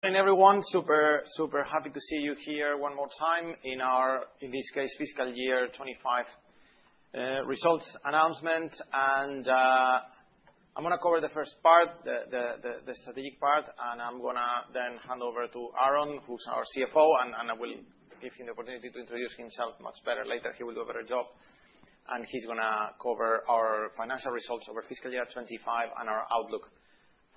Good evening, everyone. Super, super happy to see you here one more time in our, in this case, fiscal year 2025 results announcement. I'm gonna cover the first part, the strategic part, and I'm gonna then hand over to Aaron, who's our CFO, and I will give him the opportunity to introduce himself much better later. He will do a better job. He's gonna cover our financial results over fiscal year 2025 and our outlook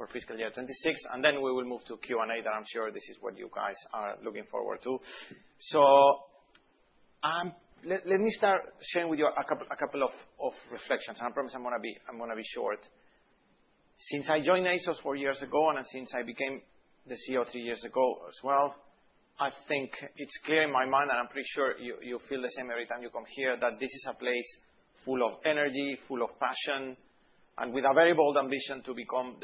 for fiscal year 2026. We will move to Q&A, that I'm sure this is what you guys are looking forward to. Let me start sharing with you a couple, a couple of reflections. I promise I'm gonna be, I'm gonna be short. Since I joined ASOS four years ago, and since I became the CEO three years ago as well, I think it's clear in my mind, and I'm pretty sure you feel the same every time you come here, that this is a place full of energy, full of passion, and with a very bold ambition to become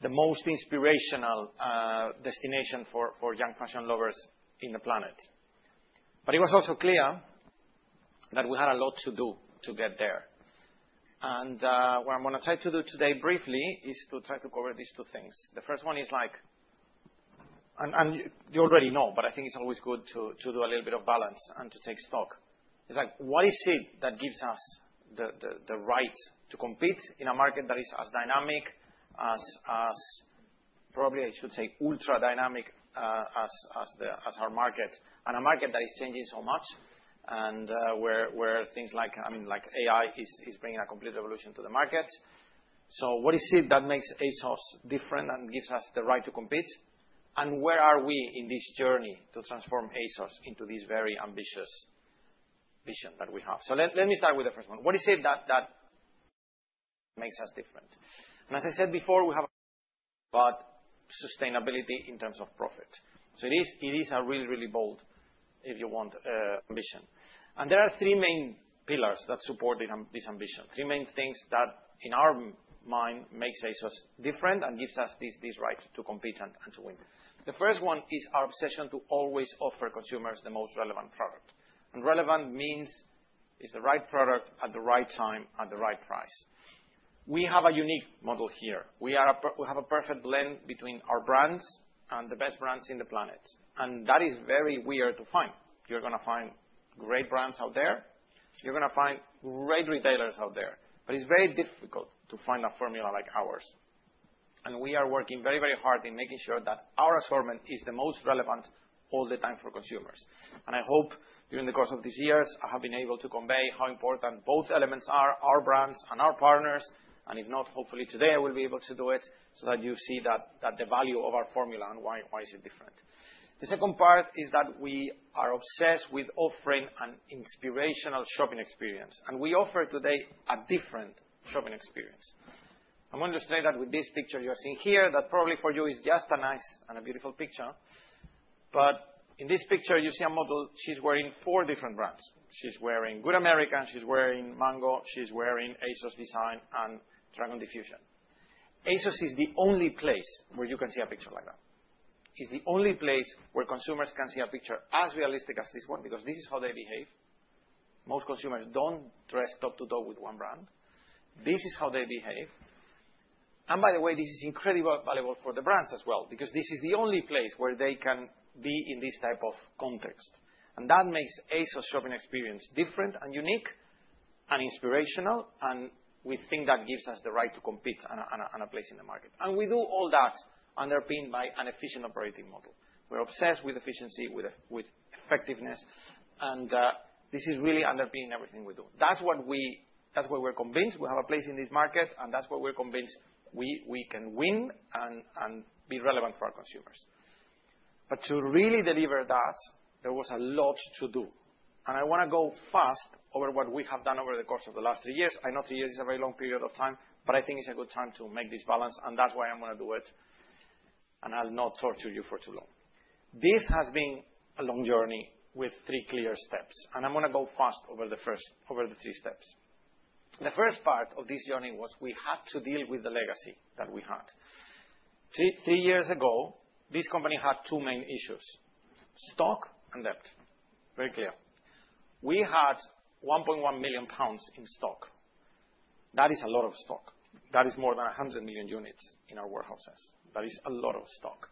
the most inspirational destination for young fashion lovers in the planet. It was also clear that we had a lot to do to get there. What I'm gonna try to do today briefly is to try to cover these two things. The first one is, like, and you already know, but I think it's always good to do a little bit of balance and to take stock. It's like, what is it that gives us the right to compete in a market that is as dynamic as, probably I should say ultra-dynamic, as our market, and a market that is changing so much, where things like, I mean, like AI is bringing a complete revolution to the market? What is it that makes ASOS different and gives us the right to compete? Where are we in this journey to transform ASOS into this very ambitious vision that we have? Let me start with the first one. What is it that makes us different? As I said before, we have a lot about sustainability in terms of profit. It is a really, really bold, if you want, ambition. There are three main pillars that support this ambition, three main things that in our mind makes ASOS different and gives us this, this right to compete and to win. The first one is our obsession to always offer consumers the most relevant product. Relevant means it's the right product at the right time at the right price. We have a unique model here. We have a perfect blend between our brands and the best brands in the planet. That is very weird to find. You're gonna find great brands out there. You're gonna find great retailers out there. It's very difficult to find a formula like ours. We are working very, very hard in making sure that our assortment is the most relevant all the time for consumers. I hope during the course of these years, I have been able to convey how important both elements are, our brands and our partners. If not, hopefully today I will be able to do it so that you see that, that the value of our formula and why, why is it different. The second part is that we are obsessed with offering an inspirational shopping experience. We offer today a different shopping experience. I'm gonna illustrate that with this picture you are seeing here, that probably for you is just a nice and a beautiful picture. In this picture, you see a model. She's wearing four different brands. She's wearing Good American, she's wearing Mango, she's wearing ASOS DESIGN, and Dragon Diffusion. ASOS is the only place where you can see a picture like that. It's the only place where consumers can see a picture as realistic as this one because this is how they behave. Most consumers don't dress top to toe with one brand. This is how they behave. By the way, this is incredibly valuable for the brands as well because this is the only place where they can be in this type of context. That makes the ASOS shopping experience different and unique and inspirational, and we think that gives us the right to compete and a place in the market. We do all that underpinned by an efficient operating model. We're obsessed with efficiency, with effectiveness, and this is really underpinned in everything we do. That's what we, that's why we're convinced we have a place in this market, and that's why we're convinced we, we can win and be relevant for our consumers. To really deliver that, there was a lot to do. I wanna go fast over what we have done over the course of the last three years. I know three years is a very long period of time, but I think it's a good time to make this balance, and that's why I'm gonna do it, and I'll not torture you for too long. This has been a long journey with three clear steps. I'm gonna go fast over the first, over the three steps. The first part of this journey was we had to deal with the legacy that we had. Three years ago, this company had two main issues: stock and debt. Very clear. We had 1.1 million pounds in stock. That is a lot of stock. That is more than 100 million units in our warehouses. That is a lot of stock.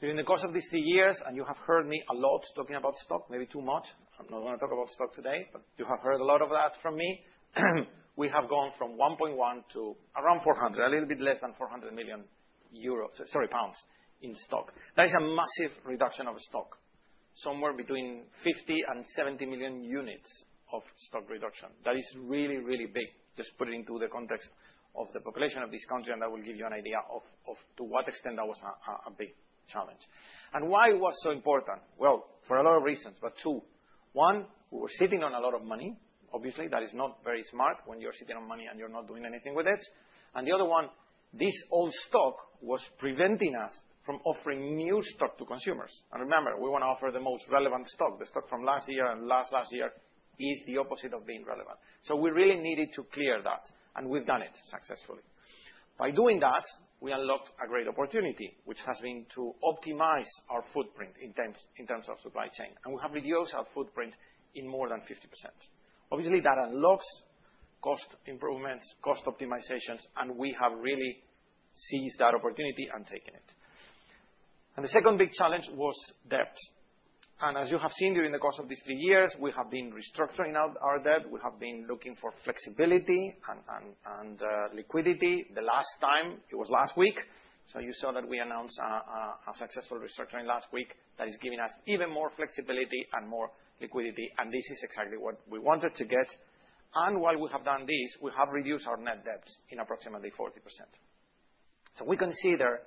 During the course of these three years, and you have heard me a lot talking about stock, maybe too much. I'm not gonna talk about stock today, but you have heard a lot of that from me. We have gone from 1.1 million to around 400 million, a little bit less than 400 million pounds in stock. That is a massive reduction of stock, somewhere between 50 and 70 million units of stock reduction. That is really, really big. Just put it into the context of the population of this country, and that will give you an idea of, of to what extent that was a big challenge. Why it was so important? For a lot of reasons, but two. One, we were sitting on a lot of money, obviously. That is not very smart when you're sitting on money and you're not doing anything with it. The other one, this old stock was preventing us from offering new stock to consumers. Remember, we wanna offer the most relevant stock. The stock from last year and last, last year is the opposite of being relevant. We really needed to clear that, and we've done it successfully. By doing that, we unlocked a great opportunity, which has been to optimize our footprint in terms of supply chain. We have reduced our footprint by more than 50%. That unlocks cost improvements, cost optimizations, and we have really seized that opportunity and taken it. The second big challenge was debt. As you have seen during the course of these three years, we have been restructuring our debt. We have been looking for flexibility and liquidity. Last week, you saw that we announced a successful restructuring that is giving us even more flexibility and more liquidity. This is exactly what we wanted to get. While we have done this, we have reduced our net debt by approximately 40%. We consider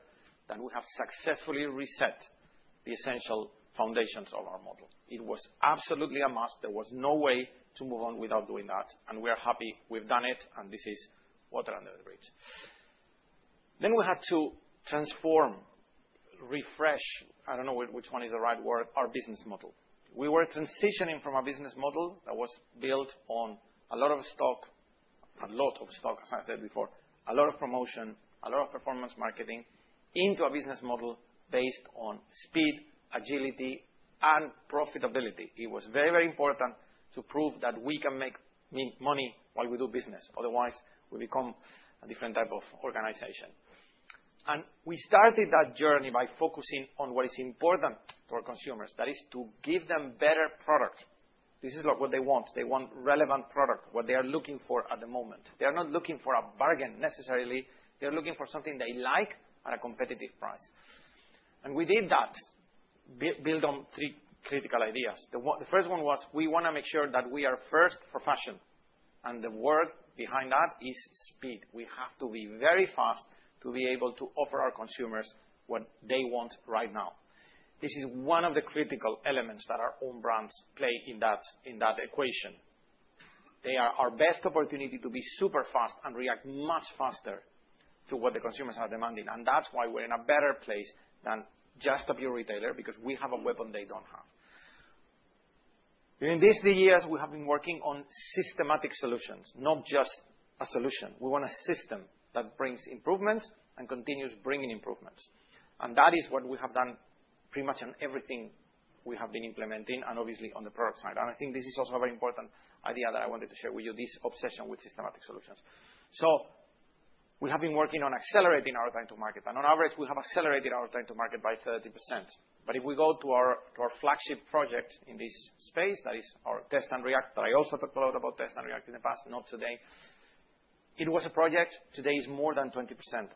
that we have successfully reset the essential foundations of our model. It was absolutely a must. There was no way to move on without doing that. We are happy we've done it, and this is water under the bridge. We had to transform, refresh, I don't know which one is the right word, our business model. We were transitioning from a business model that was built on a lot of stock, a lot of stock, as I said before, a lot of promotion, a lot of performance marketing, into a business model based on speed, agility, and profitability. It was very, very important to prove that we can make me money while we do business. Otherwise, we become a different type of organization. We started that journey by focusing on what is important to our consumers, that is to give them better product. This is like what they want. They want relevant product, what they are looking for at the moment. They are not looking for a bargain necessarily. They're looking for something they like at a competitive price. We did that build on three critical ideas. The one, the first one was we wanna make sure that we are first for fashion. The word behind that is speed. We have to be very fast to be able to offer our consumers what they want right now. This is one of the critical elements that our own brands play in that equation. They are our best opportunity to be super fast and react much faster to what the consumers are demanding. That is why we are in a better place than just a pure retailer because we have a weapon they do not have. During these three years, we have been working on systematic solutions, not just a solution. We want a system that brings improvements and continues bringing improvements. That is what we have done pretty much on everything we have been implementing and obviously on the product side. I think this is also a very important idea that I wanted to share with you, this obsession with systematic solutions. We have been working on accelerating our time to market. On average, we have accelerated our time to market by 30%. If we go to our flagship project in this space, that is our Test & React, I also talked a lot about Test & React in the past, not today, it was a project. Today it is more than 20%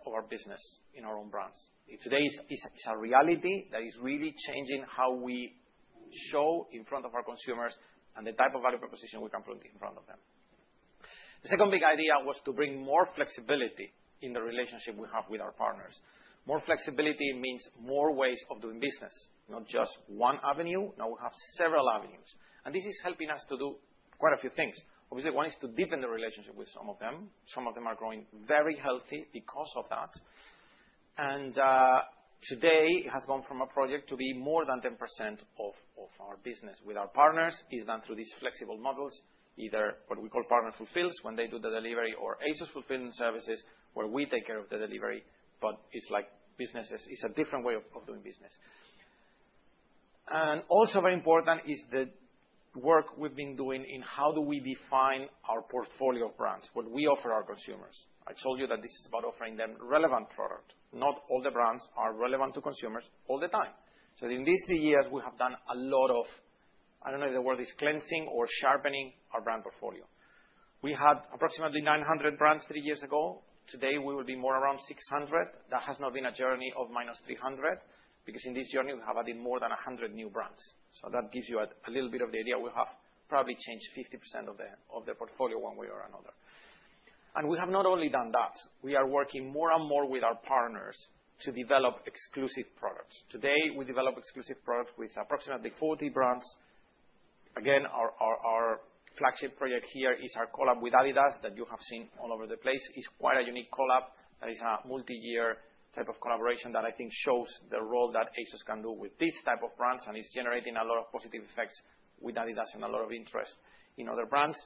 of our business in our own brands. Today it is a reality that is really changing how we show in front of our consumers and the type of value proposition we can put in front of them. The second big idea was to bring more flexibility in the relationship we have with our partners. More flexibility means more ways of doing business, not just one avenue. Now we have several avenues. This is helping us to do quite a few things. Obviously, one is to deepen the relationship with some of them. Some of them are growing very healthy because of that. Today it has gone from a project to be more than 10% of our business with our partners is done through these flexible models, either what we call partner fulfills when they do the delivery or ASOS fulfillment services where we take care of the delivery. It is like businesses, it is a different way of doing business. Also very important is the work we have been doing in how do we define our portfolio of brands, what we offer our consumers. I told you that this is about offering them relevant product. Not all the brands are relevant to consumers all the time. In these three years, we have done a lot of, I don't know if the word is cleansing or sharpening our brand portfolio. We had approximately 900 brands three years ago. Today, we will be more around 600. That has not been a journey of minus 300 because in this journey, we have added more than 100 new brands. That gives you a little bit of the idea. We have probably changed 50% of the portfolio one way or another. We have not only done that. We are working more and more with our partners to develop exclusive products. Today, we develop exclusive products with approximately 40 brands. Again, our flagship project here is our collab with Adidas that you have seen all over the place. It's quite a unique collab. That is a multi-year type of collaboration that I think shows the role that ASOS can do with this type of brands and is generating a lot of positive effects with Adidas and a lot of interest in other brands.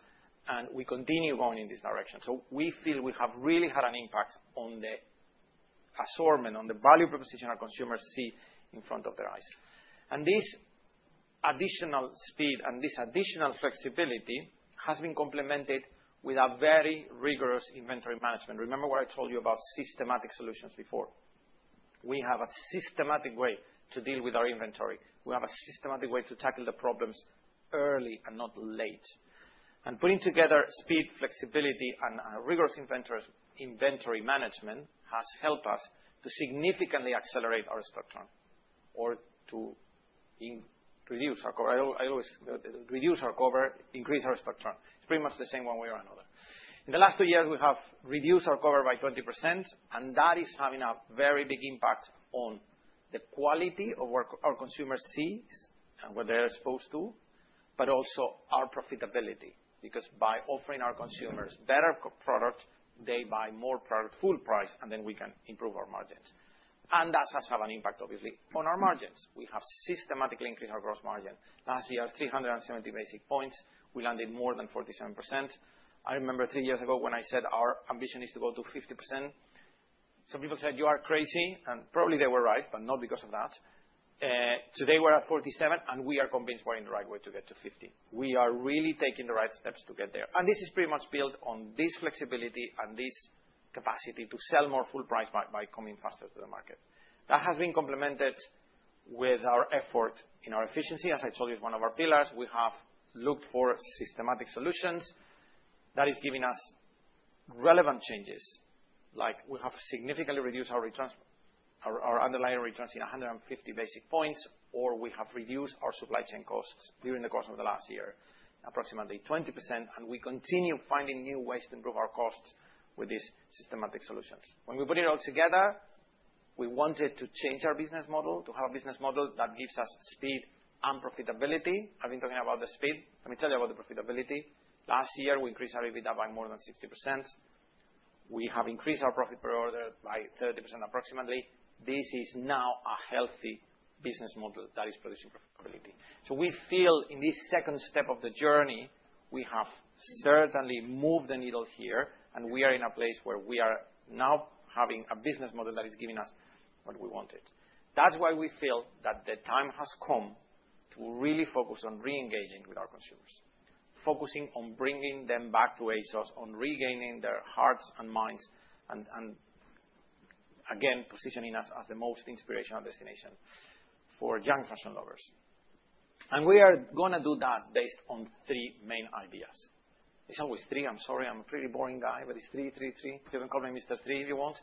We continue going in this direction. We feel we have really had an impact on the assortment, on the value proposition our consumers see in front of their eyes. This additional speed and this additional flexibility has been complemented with a very rigorous inventory management. Remember what I told you about systematic solutions before? We have a systematic way to deal with our inventory. We have a systematic way to tackle the problems early and not late. Putting together speed, flexibility, and rigorous inventory management has helped us to significantly accelerate our stock turn or to reduce our cover. I always reduce our cover, increase our stock turn. It's pretty much the same one way or another. In the last two years, we have reduced our cover by 20%, and that is having a very big impact on the quality of what our consumers see and what they're supposed to, but also our profitability because by offering our consumers better product, they buy more product full price, and then we can improve our margins. That has had an impact, obviously, on our margins. We have systematically increased our gross margin. Last year, 370 basis points. We landed more than 47%. I remember three years ago when I said our ambition is to go to 50%. Some people said, "You are crazy." Probably they were right, but not because of that. Today we're at 47, and we are convinced we're in the right way to get to 50. We are really taking the right steps to get there. This is pretty much built on this flexibility and this capacity to sell more full price by coming faster to the market. That has been complemented with our effort in our efficiency. As I told you, it's one of our pillars. We have looked for systematic solutions that is giving us relevant changes. Like we have significantly reduced our returns, our underlying returns in 150 basis points, or we have reduced our supply chain costs during the course of the last year, approximately 20%. We continue finding new ways to improve our costs with these systematic solutions. When we put it all together, we wanted to change our business model, to have a business model that gives us speed and profitability. I've been talking about the speed. Let me tell you about the profitability. Last year, we increased our EBITDA by more than 60%. We have increased our profit per order by approximately 30%. This is now a healthy business model that is producing profitability. We feel in this second step of the journey, we have certainly moved the needle here, and we are in a place where we are now having a business model that is giving us what we wanted. That is why we feel that the time has come to really focus on re-engaging with our consumers, focusing on bringing them back to ASOS, on regaining their hearts and minds, and again, positioning us as the most inspirational destination for young fashion lovers. We are gonna do that based on three main ideas. It is always three. I am sorry. I am a pretty boring guy, but it is three, three, three. You can call me Mr. Three if you want.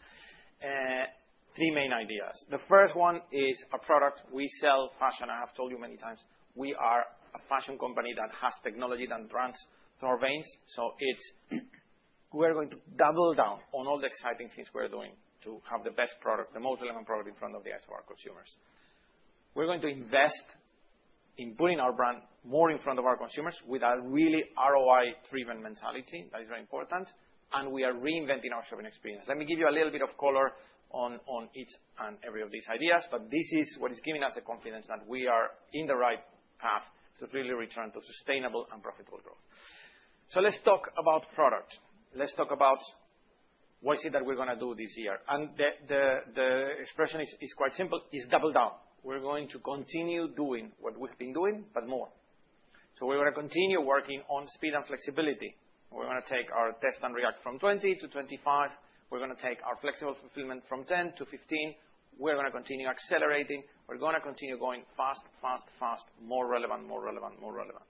Three main ideas. The first one is a product. We sell fashion. I have told you many times we are a fashion company that has technology that runs through our veins. We are going to double down on all the exciting things we're doing to have the best product, the most relevant product in front of the eyes of our consumers. We are going to invest in putting our brand more in front of our consumers with a really ROI-driven mentality. That is very important. We are reinventing our shopping experience. Let me give you a little bit of color on each and every of these ideas, but this is what is giving us the confidence that we are on the right path to really return to sustainable and profitable growth. Let's talk about product. Let's talk about what is it that we're gonna do this year. The expression is quite simple. It's double down. We're going to continue doing what we've been doing, but more. We're gonna continue working on speed and flexibility. We're gonna take our Test & React from 20-25. We're gonna take our flexible fulfillment from 10-15. We're gonna continue accelerating. We're gonna continue going fast, fast, fast, more relevant, more relevant, more relevant.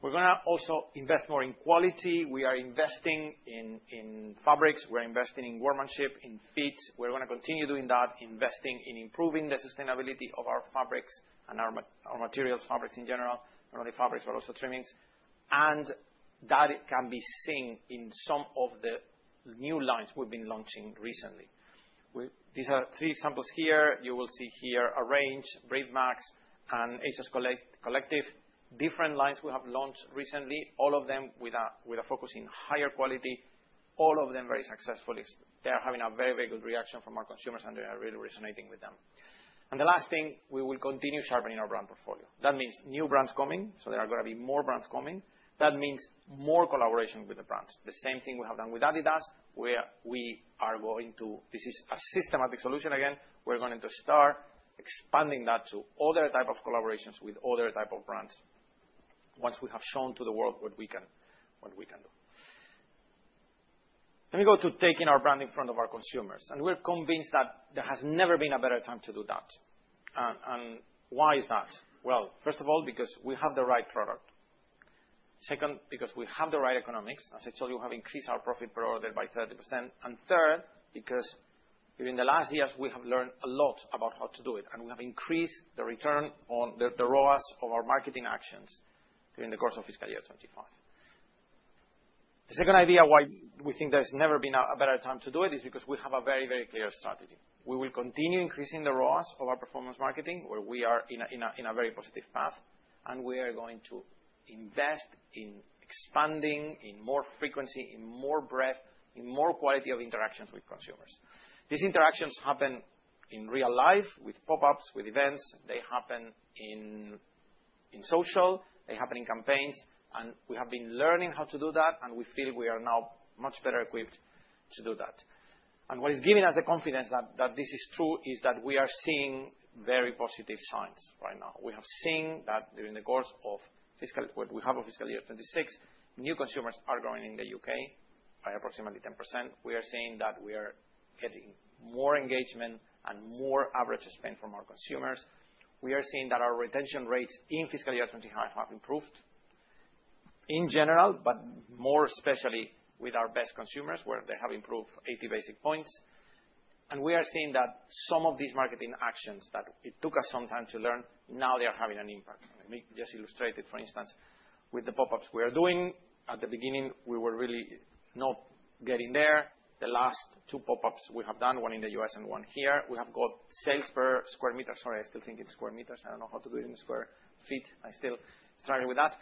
We're gonna also invest more in quality. We are investing in fabrics. We're investing in workmanship, in feeds. We're gonna continue doing that, investing in improving the sustainability of our fabrics and our materials, fabrics in general, not only fabrics but also trimmings. That can be seen in some of the new lines we've been launching recently. These are three examples here. You will see here a range, breatheMAX and ASOS COLLECTIVE, different lines we have launched recently, all of them with a focus in higher quality, all of them very successful. They are having a very, very good reaction from our consumers, and they are really resonating with them. The last thing, we will continue sharpening our brand portfolio. That means new brands coming. There are gonna be more brands coming. That means more collaboration with the brands. The same thing we have done with Adidas, where we are going to, this is a systematic solution again. We're going to start expanding that to other types of collaborations with other types of brands once we have shown to the world what we can, what we can do. Let me go to taking our brand in front of our consumers. We're convinced that there has never been a better time to do that. And why is that? First of all, because we have the right product. Second, because we have the right economics. As I told you, we have increased our profit per order by 30%. Third, because during the last years, we have learned a lot about how to do it, and we have increased the return on the ROAS of our marketing actions during the course of fiscal year 2025. The second idea why we think there's never been a better time to do it is because we have a very, very clear strategy. We will continue increasing the ROAS of our performance marketing, where we are in a very positive path, and we are going to invest in expanding, in more frequency, in more breadth, in more quality of interactions with consumers. These interactions happen in real life with pop-ups, with events. They happen in social. They happen in campaigns. We have been learning how to do that, and we feel we are now much better equipped to do that. What is giving us the confidence that this is true is that we are seeing very positive signs right now. We have seen that during the course of fiscal, what we have of fiscal year 2026, new consumers are growing in the U.K. by approximately 10%. We are seeing that we are getting more engagement and more average spend from our consumers. We are seeing that our retention rates in fiscal year 2025 have improved in general, but more especially with our best consumers, where they have improved 80 basis points. We are seeing that some of these marketing actions that it took us some time to learn, now they are having an impact. Let me just illustrate it. For instance, with the pop-ups we are doing, at the beginning, we were really not getting there. The last two pop-ups we have done, one in the U.S. and one here, we have got sales per square meter. Sorry, I still think in square meters. I do not know how to do it in square feet. I still struggle with that.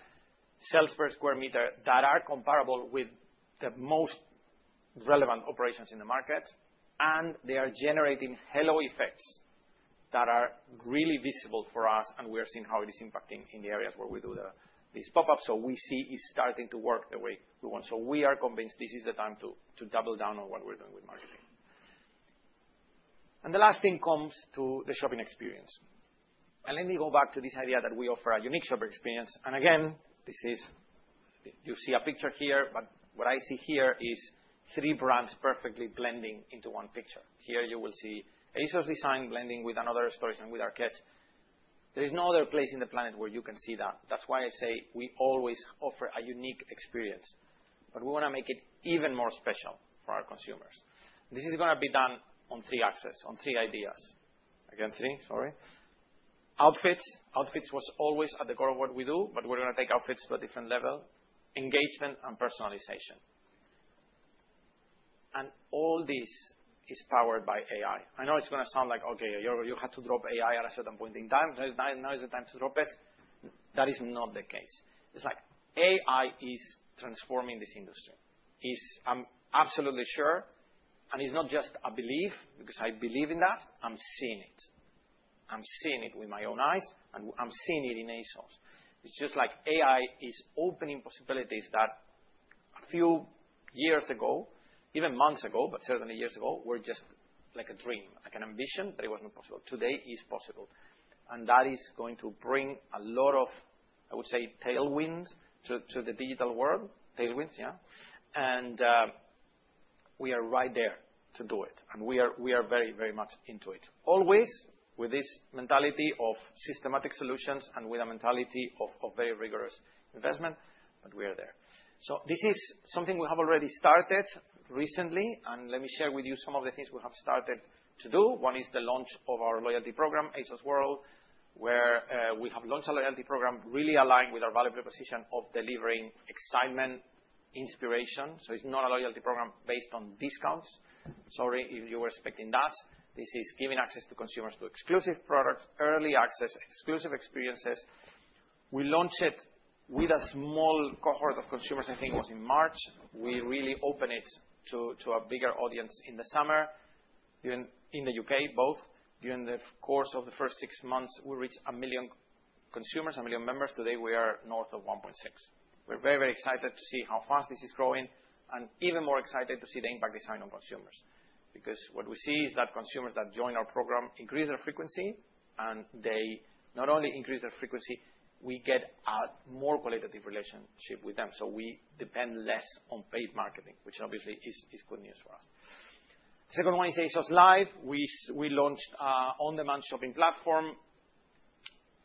Sales per square meter that are comparable with the most relevant operations in the market, and they are generating halo effects that are really visible for us, and we are seeing how it is impacting in the areas where we do these pop-ups. We see it's starting to work the way we want. We are convinced this is the time to double down on what we're doing with marketing. The last thing comes to the shopping experience. Let me go back to this idea that we offer a unique shopper experience. Again, this is, you see a picture here, but what I see here is three brands perfectly blending into one picture. Here you will see ASOS DESIGN blending with & Other Stories and with ARKET. There is no other place in the planet where you can see that. That's why I say we always offer a unique experience, but we wanna make it even more special for our consumers. This is gonna be done on three axes, on three ideas. Again, three, sorry. Outfits. Outfits was always at the core of what we do, but we're gonna take outfits to a different level, engagement and personalization. All this is powered by AI. I know it's gonna sound like, okay, you have to drop AI at a certain point in time. Now is the time to drop it. That is not the case. It's like AI is transforming this industry. I'm absolutely sure, and it's not just a belief because I believe in that. I'm seeing it. I'm seeing it with my own eyes, and I'm seeing it in ASOS. It's just like AI is opening possibilities that a few years ago, even months ago, but certainly years ago, were just like a dream, like an ambition, but it was not possible. Today it's possible. That is going to bring a lot of, I would say, tailwinds to the digital world. Tailwinds, yeah. We are right there to do it. We are very, very much into it. Always with this mentality of systematic solutions and with a mentality of very rigorous investment, but we are there. This is something we have already started recently. Let me share with you some of the things we have started to do. One is the launch of our loyalty program, ASOS.WORLD, where we have launched a loyalty program really aligned with our value proposition of delivering excitement, inspiration. It is not a loyalty program based on discounts. Sorry if you were expecting that. This is giving access to consumers to exclusive products, early access, exclusive experiences. We launched it with a small cohort of consumers. I think it was in March. We really opened it to a bigger audience in the summer. In the U.K., both during the course of the first six months, we reached 1 million consumers, 1 million members. Today we are north of 1.6. We are very, very excited to see how fast this is growing and even more excited to see the impact design on consumers because what we see is that consumers that join our program increase their frequency, and they not only increase their frequency, we get a more qualitative relationship with them. We depend less on paid marketing, which obviously is good news for us. The second one is ASOS Live. We launched an on-demand shopping platform.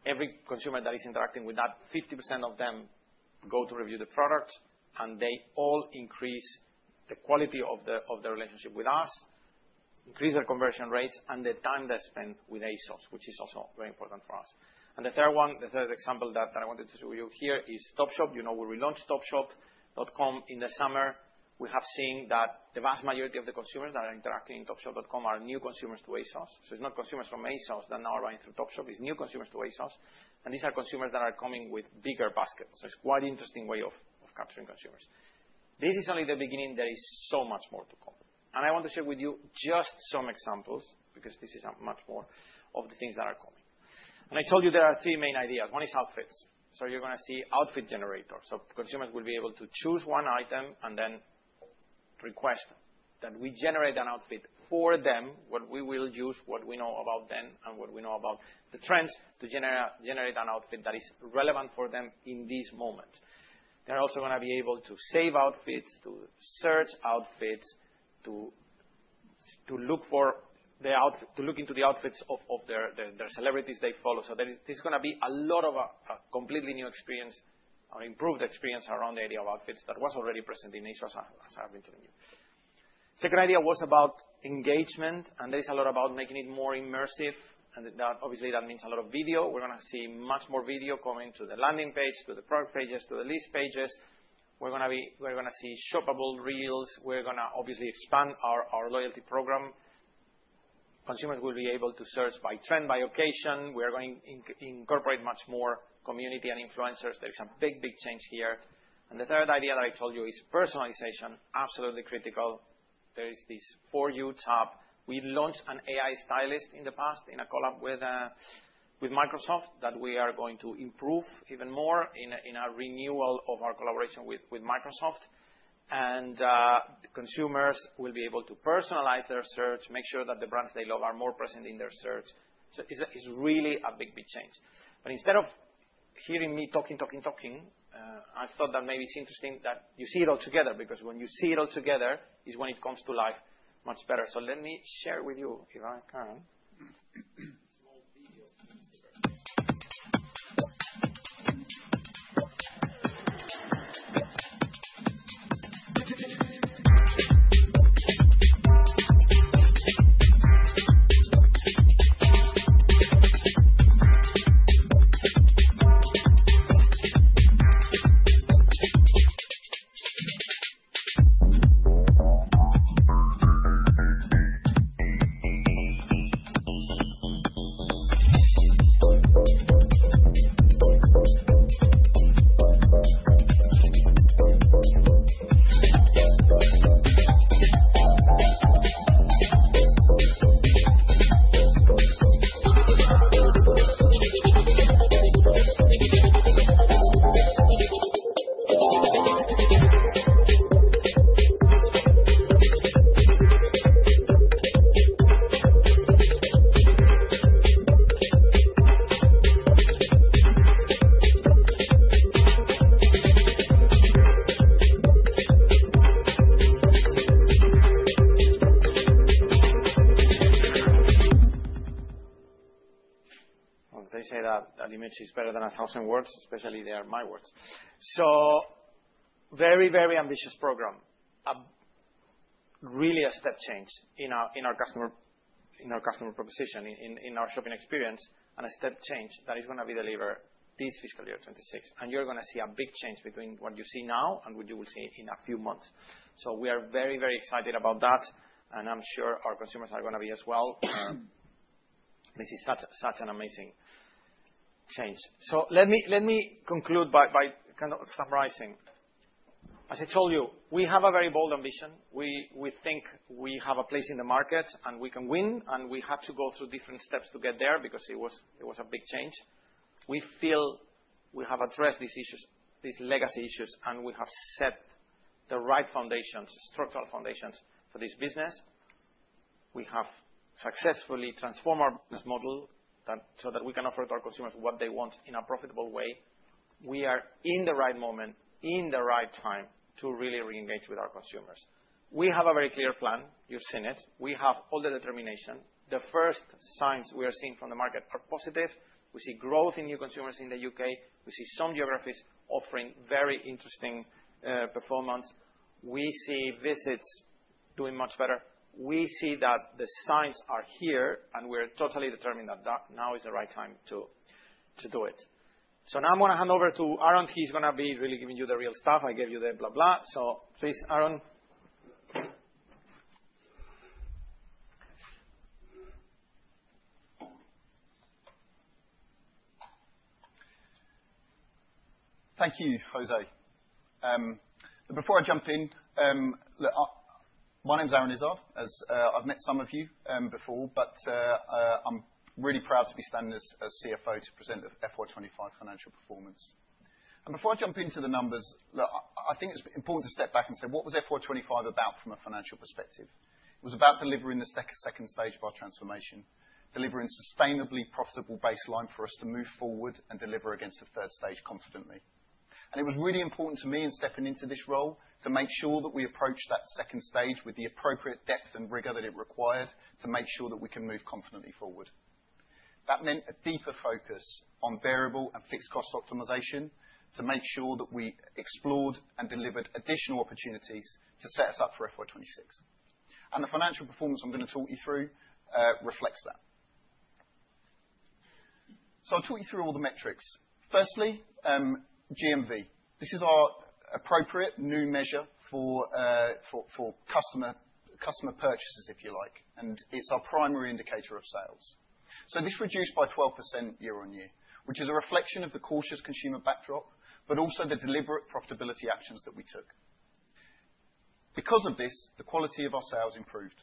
Every consumer that is interacting with that, 50% of them go to review the product, and they all increase the quality of the relationship with us, increase their conversion rates and the time they spend with ASOS, which is also very important for us. The third one, the third example that I wanted to show you here is Topshop. You know, where we launched Topshop.com in the summer. We have seen that the vast majority of the consumers that are interacting in Topshop.com are new consumers to ASOS. It is not consumers from ASOS that now are running through Topshop. It is new consumers to ASOS. These are consumers that are coming with bigger baskets. It is quite an interesting way of capturing consumers. This is only the beginning. There is so much more to come. I want to share with you just some examples because this is much more of the things that are coming. I told you there are three main ideas. One is outfits. You're gonna see outfit generator. Consumers will be able to choose one item and then request that we generate an outfit for them where we will use what we know about them and what we know about the trends to generate an outfit that is relevant for them in these moments. They're also gonna be able to save outfits, to search outfits, to look for the outfit, to look into the outfits of their celebrities they follow. There is going to be a lot of a completely new experience or improved experience around the idea of outfits that was already present in ASOS, as I've been telling you. The second idea was about engagement, and there is a lot about making it more immersive. That obviously means a lot of video. We're going to see much more video coming to the landing page, to the product pages, to the list pages. We're going to see shoppable reels. We're going to obviously expand our loyalty program. Consumers will be able to search by trend, by occasion. We are going to incorporate much more community and influencers. There is a big, big change here. The third idea that I told you is personalization, absolutely critical. There is this For You tab. We launched an AI stylist in the past in a collab with Microsoft that we are going to improve even more in our renewal of our collaboration with Microsoft. Consumers will be able to personalize their search, make sure that the brands they love are more present in their search. It is really a big, big change. Instead of hearing me talking, talking, talking, I thought that maybe it is interesting that you see it all together because when you see it all together is when it comes to life much better. Let me share with you, if I can. They say that image is better than a thousand words, especially if they are my words. Very, very ambitious program, really a step change in our customer proposition, in our shopping experience, and a step change that is gonna be delivered this fiscal year 2026. You're gonna see a big change between what you see now and what you will see in a few months. We are very, very excited about that, and I'm sure our consumers are gonna be as well. This is such an amazing change. Let me conclude by kind of summarizing. As I told you, we have a very bold ambition. We think we have a place in the market and we can win, and we had to go through different steps to get there because it was a big change. We feel we have addressed these issues, these legacy issues, and we have set the right foundations, structural foundations for this business. We have successfully transformed our business model so that we can offer to our consumers what they want in a profitable way. We are in the right moment, in the right time to really reengage with our consumers. We have a very clear plan. You've seen it. We have all the determination. The first signs we are seeing from the market are positive. We see growth in new consumers in the U.K. We see some geographies offering very interesting, performance. We see visits doing much better. We see that the signs are here, and we are totally determined that now is the right time to, to do it. Now I'm gonna hand over to Aaron. He's gonna be really giving you the real stuff. I gave you the blah, blah. Please, Aaron. Thank you, José. Before I jump in, my name's Aaron Izzard. As I've met some of you before, I'm really proud to be standing as CFO to present FY25 financial performance. Before I jump into the numbers, look, I think it's important to step back and say, what was FY25 about from a financial perspective? It was about delivering the second stage of our transformation, delivering a sustainably profitable baseline for us to move forward and deliver against the third stage confidently. It was really important to me in stepping into this role to make sure that we approached that second stage with the appropriate depth and rigor that it required to make sure that we can move confidently forward. That meant a deeper focus on variable and fixed cost optimization to make sure that we explored and delivered additional opportunities to set us up for FY2026. The financial performance I'm gonna talk you through reflects that. I'll talk you through all the metrics. Firstly, GMV. This is our appropriate new measure for customer purchases, if you like, and it's our primary indicator of sales. This reduced by 12% year-on-year, which is a reflection of the cautious consumer backdrop, but also the deliberate profitability actions that we took. Because of this, the quality of our sales improved.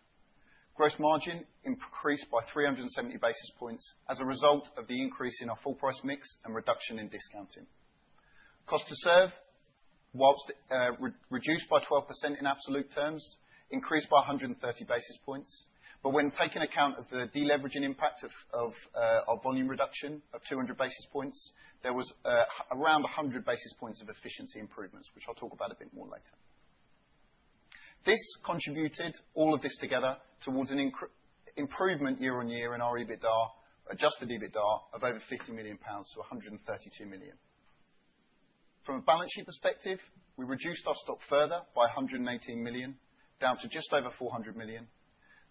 Gross margin increased by 370 basis points as a result of the increase in our full price mix and reduction in discounting. Cost to serve, whilst reduced by 12% in absolute terms, increased by 130 basis points. When taking account of the deleveraging impact of our volume reduction of 200 basis points, there was around 100 basis points of efficiency improvements, which I'll talk about a bit more later. This contributed all of this together towards an improvement year-on-year in our EBITDA, adjusted EBITDA of over 50 million-132 million pounds. From a balance sheet perspective, we reduced our stock further by 118 million, down to just over 400 million.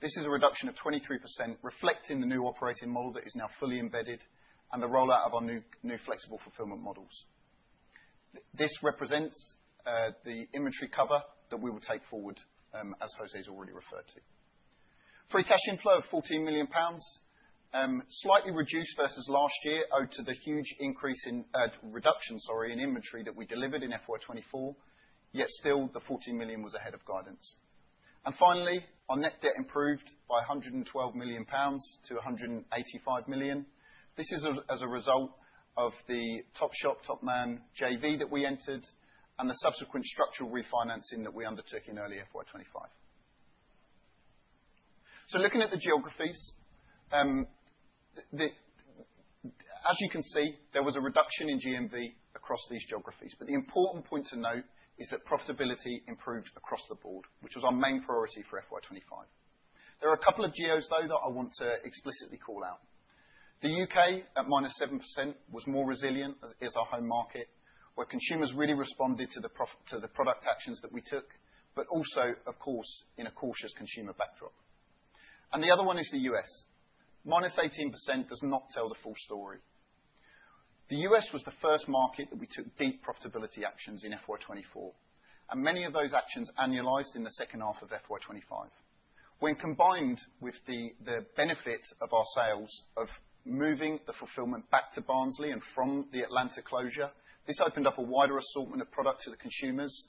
This is a reduction of 23%, reflecting the new operating model that is now fully embedded and the rollout of our new flexible fulfillment models. This represents the inventory cover that we will take forward, as José's already referred to. Free cash inflow of 14 million pounds, slightly reduced versus last year owed to the huge increase in, reduction, sorry, in inventory that we delivered in FY 2024, yet still the 14 million was ahead of guidance. Finally, our net debt improved by 112 million pounds to 185 million. This is as a result of the Topshop, Topman JV that we entered and the subsequent structural refinancing that we undertook in early FY 2025. Looking at the geographies, as you can see, there was a reduction in GMV across these geographies. The important point to note is that profitability improved across the board, which was our main priority for FY 2025. There are a couple of geos though that I want to explicitly call out. The U.K. at minus 7% was more resilient as our home market, where consumers really responded to the product actions that we took, but also, of course, in a cautious consumer backdrop. The other one is the U.S. Minus 18% does not tell the full story. The U.S. was the first market that we took deep profitability actions in FY2024, and many of those actions annualized in the second half of FY2025. When combined with the benefit of our sales of moving the fulfillment back to Barnsley and from the Atlanta closure, this opened up a wider assortment of product to the consumers.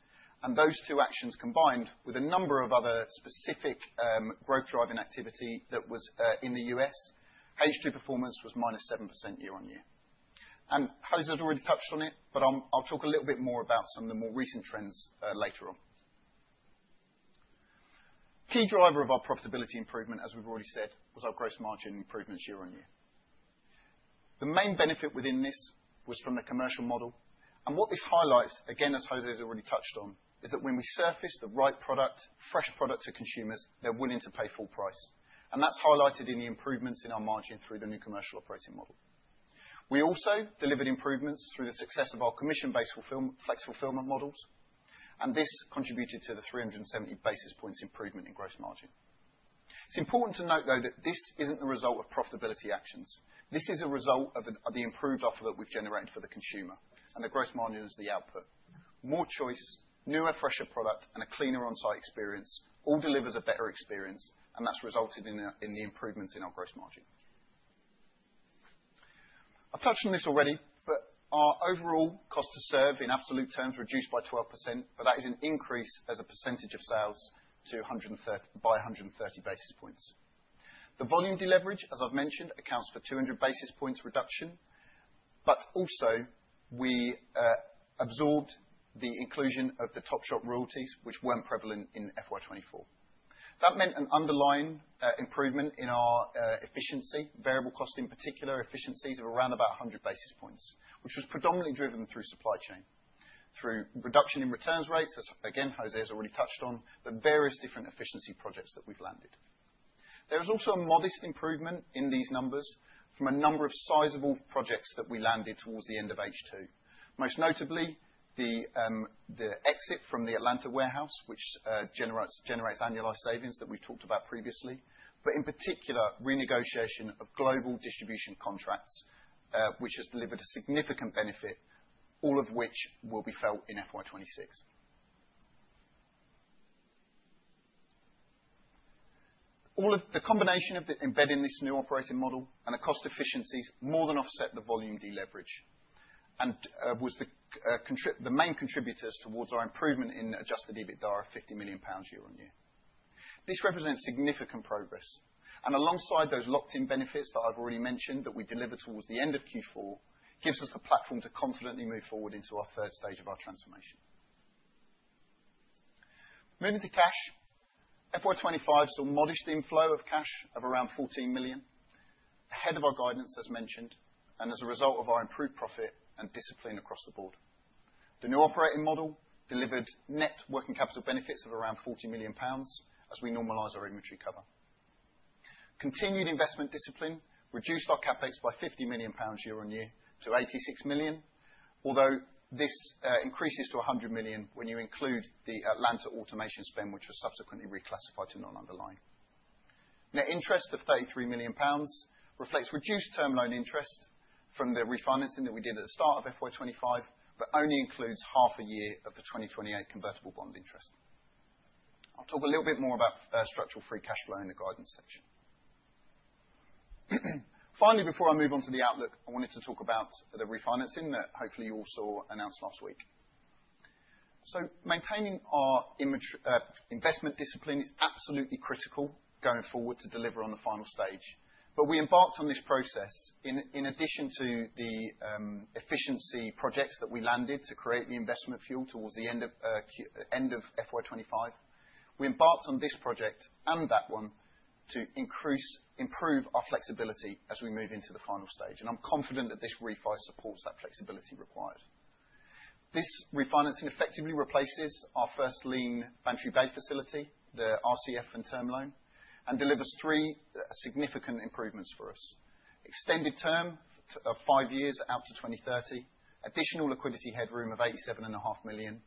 Those two actions combined with a number of other specific growth-driving activity that was, in the U.S., H2 performance was minus 7% year-on-year. José's already touched on it, but I'll talk a little bit more about some of the more recent trends, later on. Key driver of our profitability improvement, as we've already said, was our gross margin improvements year-on-year. The main benefit within this was from the commercial model. What this highlights, again, as José's already touched on, is that when we surface the right product, fresh product to consumers, they're willing to pay full price. That's highlighted in the improvements in our margin through the new commercial operating model. We also delivered improvements through the success of our commission-based fulfillment, flex fulfillment models, and this contributed to the 370 basis points improvement in gross margin. It's important to note though that this isn't the result of profitability actions. This is a result of the improved offer that we've generated for the consumer, and the gross margin is the output. More choice, newer, fresher product, and a cleaner onsite experience all delivers a better experience, and that's resulted in the improvements in our gross margin. I've touched on this already, but our overall cost to serve in absolute terms reduced by 12%, but that is an increase as a percentage of sales to 130 basis points. The volume deleverage, as I've mentioned, accounts for 200 basis points reduction, but also we absorbed the inclusion of the Topshop royalties, which were not prevalent in 2024. That meant an underlying improvement in our efficiency, variable cost in particular, efficiencies of around about 100 basis points, which was predominantly driven through supply chain, through reduction in returns rates, as again, José's already touched on, but various different efficiency projects that we've landed. There was also a modest improvement in these numbers from a number of sizable projects that we landed towards the end of H2, most notably the exit from the Atlanta warehouse, which generates annualized savings that we talked about previously, but in particular, renegotiation of global distribution contracts, which has delivered a significant benefit, all of which will be felt in FY2026. All of the combination of embedding this new operating model and the cost efficiencies more than offset the volume deleverage and was the main contributors towards our improvement in adjusted EBITDA of 50 million pounds year-on-year. This represents significant progress. Alongside those locked-in benefits that I have already mentioned that we delivered towards the end of Q4, this gives us the platform to confidently move forward into our third stage of our transformation. Moving to cash, FY2025 saw a modest inflow of cash of around 14 million ahead of our guidance, as mentioned, and as a result of our improved profit and discipline across the board. The new operating model delivered net working capital benefits of around 40 million pounds as we normalize our inventory cover. Continued investment discipline reduced our CapEx by 50 million pounds year-on-year to 86 million, although this increases to 100 million when you include the Atlanta automation spend, which was subsequently reclassified to non-underlying. Net interest of 33 million pounds reflects reduced term loan interest from the refinancing that we did at the start of FY2025, but only includes half a year of the 2028 convertible bond interest. I'll talk a little bit more about structural free cash flow in the guidance section. Finally, before I move on to the outlook, I wanted to talk about the refinancing that hopefully you all saw announced last week. Maintaining our image, investment discipline is absolutely critical going forward to deliver on the final stage. We embarked on this process in addition to the efficiency projects that we landed to create the investment fuel towards the end of Q, end of FY2025. We embarked on this project and that one to increase, improve our flexibility as we move into the final stage. I'm confident that this ReFi supports that flexibility required. This refinancing effectively replaces our first lien Bantry Bay facility, the RCF and term loan, and delivers three significant improvements for us: extended term of five years out to 2030, additional liquidity headroom of 87.5 million,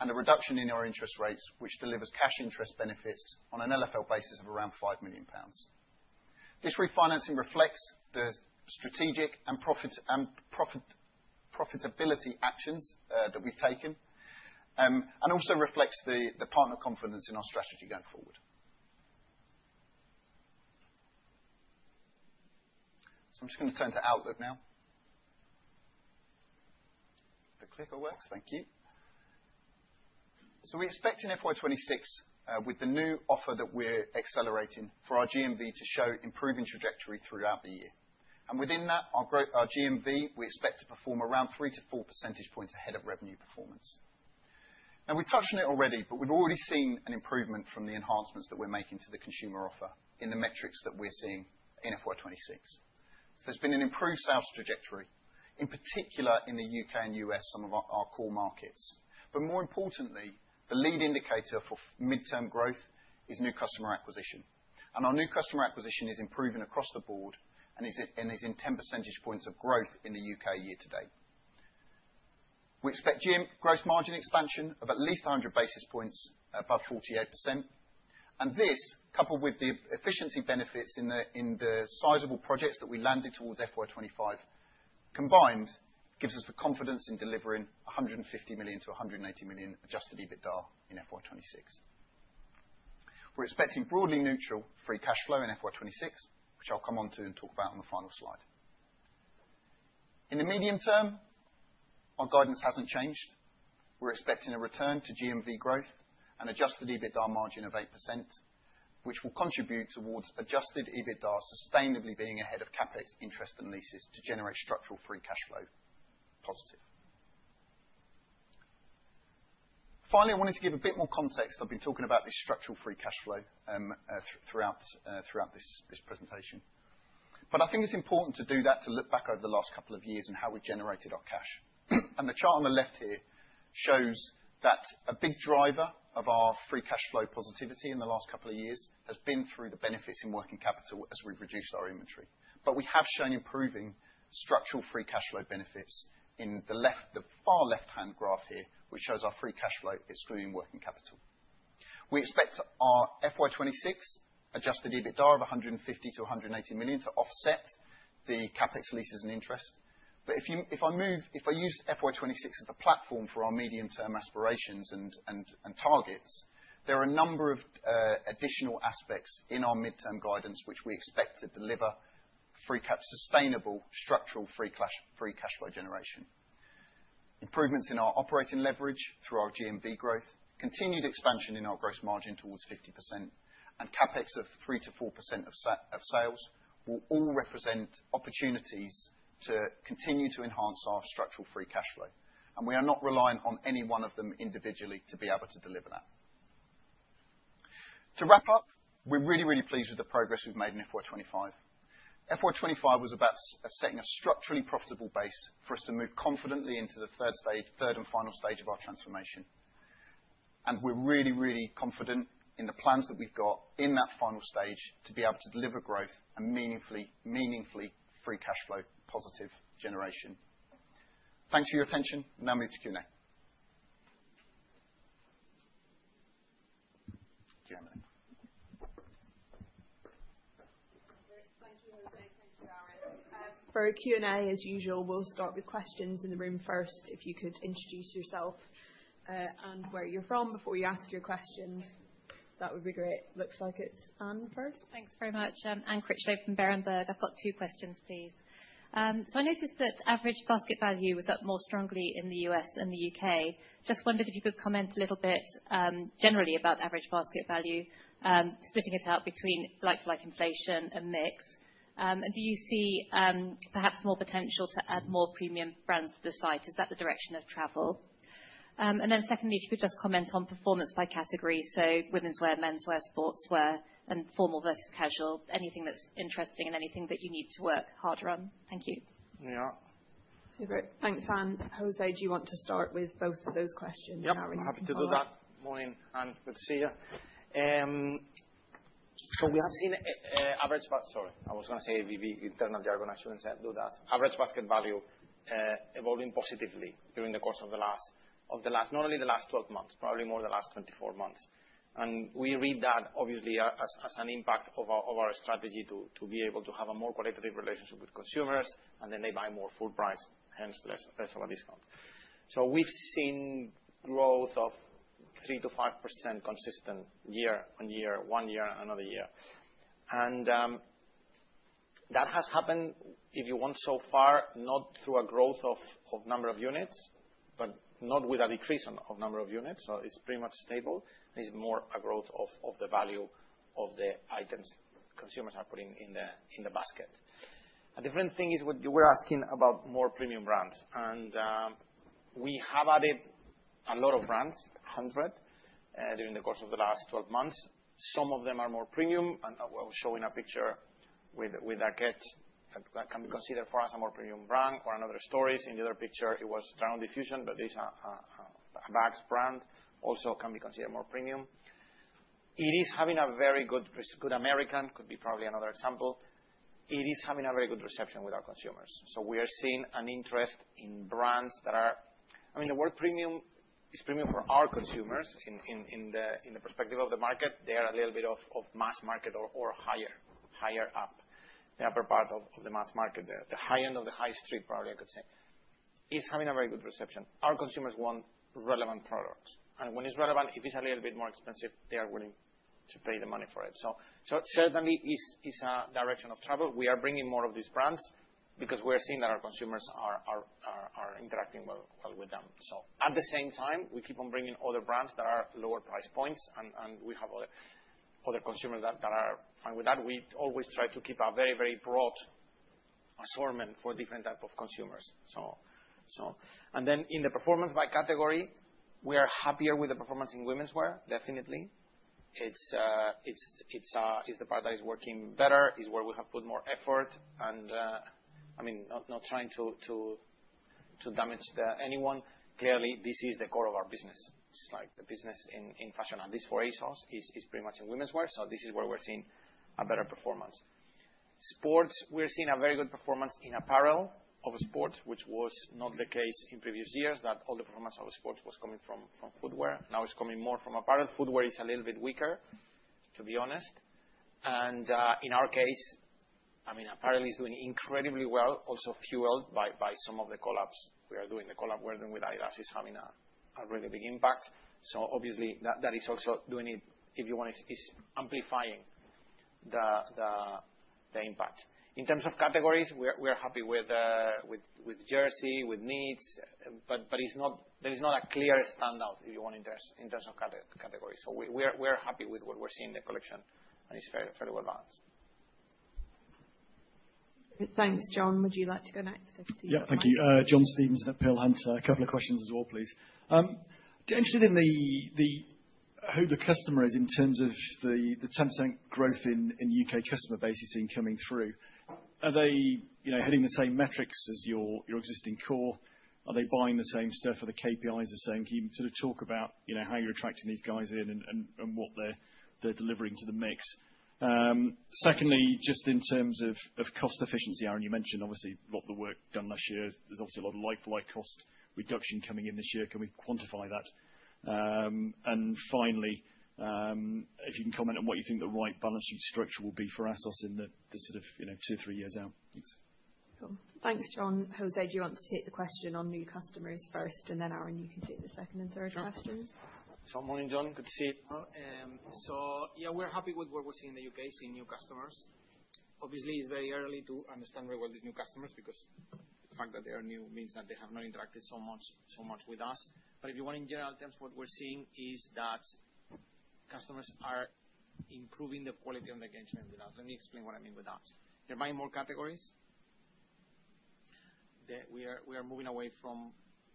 and a reduction in our interest rates, which delivers cash interest benefits on an LFL basis of around 5 million pounds. This refinancing reflects the strategic and profit and profitability actions that we've taken, and also reflects the partner confidence in our strategy going forward. I'm just gonna turn to outlook now. The clicker works. Thank you. We expect in FY2026, with the new offer that we're accelerating, for our GMV to show improving trajectory throughout the year. Within that, our GMV, we expect to perform around three to four percentage points ahead of revenue performance. Now we've touched on it already, but we've already seen an improvement from the enhancements that we're making to the consumer offer in the metrics that we're seeing in FY2026. There's been an improved sales trajectory, in particular in the U.K. and U.S., some of our core markets. More importantly, the lead indicator for midterm growth is new customer acquisition. Our new customer acquisition is improving across the board and is in 10 percentage points of growth in the U.K. year to date. We expect GM gross margin expansion of at least 100 basis points above 48%. This, coupled with the efficiency benefits in the sizable projects that we landed towards FY2025, combined gives us the confidence in delivering 150 million-180 million adjusted EBITDA in FY2026. We're expecting broadly neutral free cash flow in FY2026, which I'll come on to and talk about on the final slide. In the medium term, our guidance hasn't changed. We're expecting a return to GMV growth and adjusted EBITDA margin of 8%, which will contribute towards adjusted EBITDA sustainably being ahead of CapEx, interest, and leases to generate structural free cash flow positive. Finally, I wanted to give a bit more context. I've been talking about this structural free cash flow throughout this presentation. I think it's important to do that, to look back over the last couple of years and how we generated our cash. The chart on the left here shows that a big driver of our free cash flow positivity in the last couple of years has been through the benefits in working capital as we've reduced our inventory. We have shown improving structural free cash flow benefits in the far left-hand graph here, which shows our free cash flow excluding working capital. We expect our FY2026 adjusted EBITDA of 150 million-180 million to offset the CapEx, leases, and interest. If I use FY2026 as a platform for our medium-term aspirations and targets, there are a number of additional aspects in our midterm guidance which we expect to deliver sustainable structural free cash flow generation, improvements in our operating leverage through our GMV growth, continued expansion in our gross margin towards 50%, and CapEx of 3%-4% of sales will all represent opportunities to continue to enhance our structural free cash flow. We are not reliant on any one of them individually to be able to deliver that. To wrap up, we're really, really pleased with the progress we've made in FY25. FY25 was about setting a structurally profitable base for us to move confidently into the third stage, third and final stage of our transformation. We're really, really confident in the plans that we've got in that final stage to be able to deliver growth and meaningfully, meaningfully free cash flow positive generation. Thanks for your attention. Now I'm gonna move to Q&A. Thank you, Emily. For Q&A, as usual, we'll start with questions in the room first. If you could introduce yourself, and where you're from before you ask your questions, that would be great. Looks like it's Anne first. Thanks very much. Anne Critchlow from Berenberg. I've got two questions, please. I noticed that average basket value was up more strongly in the U.S. and the U.K. Just wondered if you could comment a little bit, generally about average basket value, splitting it out between like-to-like inflation and mix. Do you see, perhaps more potential to add more premium brands to the site? Is that the direction of travel? Then secondly, if you could just comment on performance by category. So women's wear, men's wear, sports wear, and formal versus casual, anything that's interesting and anything that you need to work harder on. Thank you. Yeah. Super. Thanks, Anne. José, do you want to start with both of those questions? Yeah. I'm happy to do that. Morning, Anne. Good to see you. So we have seen, average b—sorry, I was gonna say VV, internal jargon, I shouldn't say, do that. Average basket value, evolving positively during the course of the last, not only the last 12 months, probably more the last 24 months. We read that obviously as an impact of our strategy to be able to have a more qualitative relationship with consumers, and then they buy more full price, hence less of a discount. We have seen growth of 3%-5% consistent year-on-year, one year and another year. That has happened, if you want, so far, not through a growth of number of units, but not with a decrease of number of units. It is pretty much stable. It is more a growth of the value of the items consumers are putting in the basket. A different thing is what you were asking about more premium brands. We have added a lot of brands, 100, during the course of the last 12 months. Some of them are more premium, and I was showing a picture with ARKET that can be considered for us a more premium brand or & Other Stories. In the other picture, it was TryOnDiffusion, but there's a bags brand also can be considered more premium. It is having a very good, Good American could be probably another example. It is having a very good reception with our consumers. We are seeing an interest in brands that are, I mean, the word premium is premium for our consumers in the perspective of the market. They are a little bit of mass market or higher, higher up, the upper part of the mass market, the high end of the high street, probably I could say, is having a very good reception. Our consumers want relevant products. When it's relevant, if it's a little bit more expensive, they are willing to pay the money for it. Certainly it's a direction of travel. We are bringing more of these brands because we are seeing that our consumers are interacting well with them. At the same time, we keep on bringing other brands that are lower price points and we have other consumers that are fine with that. We always try to keep a very, very broad assortment for different type of consumers. In the performance by category, we are happier with the performance in women's wear, definitely. It's the part that is working better. It's where we have put more effort. I mean, not trying to damage anyone. Clearly, this is the core of our business, just like the business in fashion. This for ASOS is pretty much in women's wear. This is where we're seeing a better performance. Sports, we're seeing a very good performance in apparel of sports, which was not the case in previous years, that all the performance of sports was coming from footwear. Now it's coming more from apparel. Footwear is a little bit weaker, to be honest. In our case, apparel is doing incredibly well, also fueled by some of the collabs we are doing. The collab we're doing with Adidas is having a really big impact. Obviously, that is also doing it, if you want, is amplifying the impact. In terms of categories, we are happy with jersey, with needs, but it's not, there is not a clear standout, if you want, in terms of categories. We are happy with what we're seeing in the collection, and it's fairly well balanced. Thanks, John. Would you like to go next? I see you. Yeah. Thank you. John Stevenson at Peel Hunt. A couple of questions as well, please. Interested in who the customer is in terms of the 10% growth in U.K. customer base you're seeing coming through. Are they, you know, hitting the same metrics as your existing core? Are they buying the same stuff? Are the KPIs the same? Can you sort of talk about, you know, how you're attracting these guys in and what they're delivering to the mix? Secondly, just in terms of cost efficiency, Aaron, you mentioned obviously a lot of the work done last year. There's obviously a lot of like-to-like cost reduction coming in this year. Can we quantify that? And finally, if you can comment on what you think the right balance sheet structure will be for ASOS in the sort of, you know, two, three years out. Thanks. Cool. Thanks, John. José, do you want to take the question on new customers first, and then Aaron, you can take the second and third questions? Sure. Morning, John. Good to see you. So yeah, we're happy with what we're seeing in the UK, seeing new customers. Obviously, it's very early to understand very well these new customers because the fact that they are new means that they have not interacted so much with us. If you want in general terms, what we're seeing is that customers are improving the quality of the engagement with us. Let me explain what I mean with that. They're buying more categories. We are moving away from,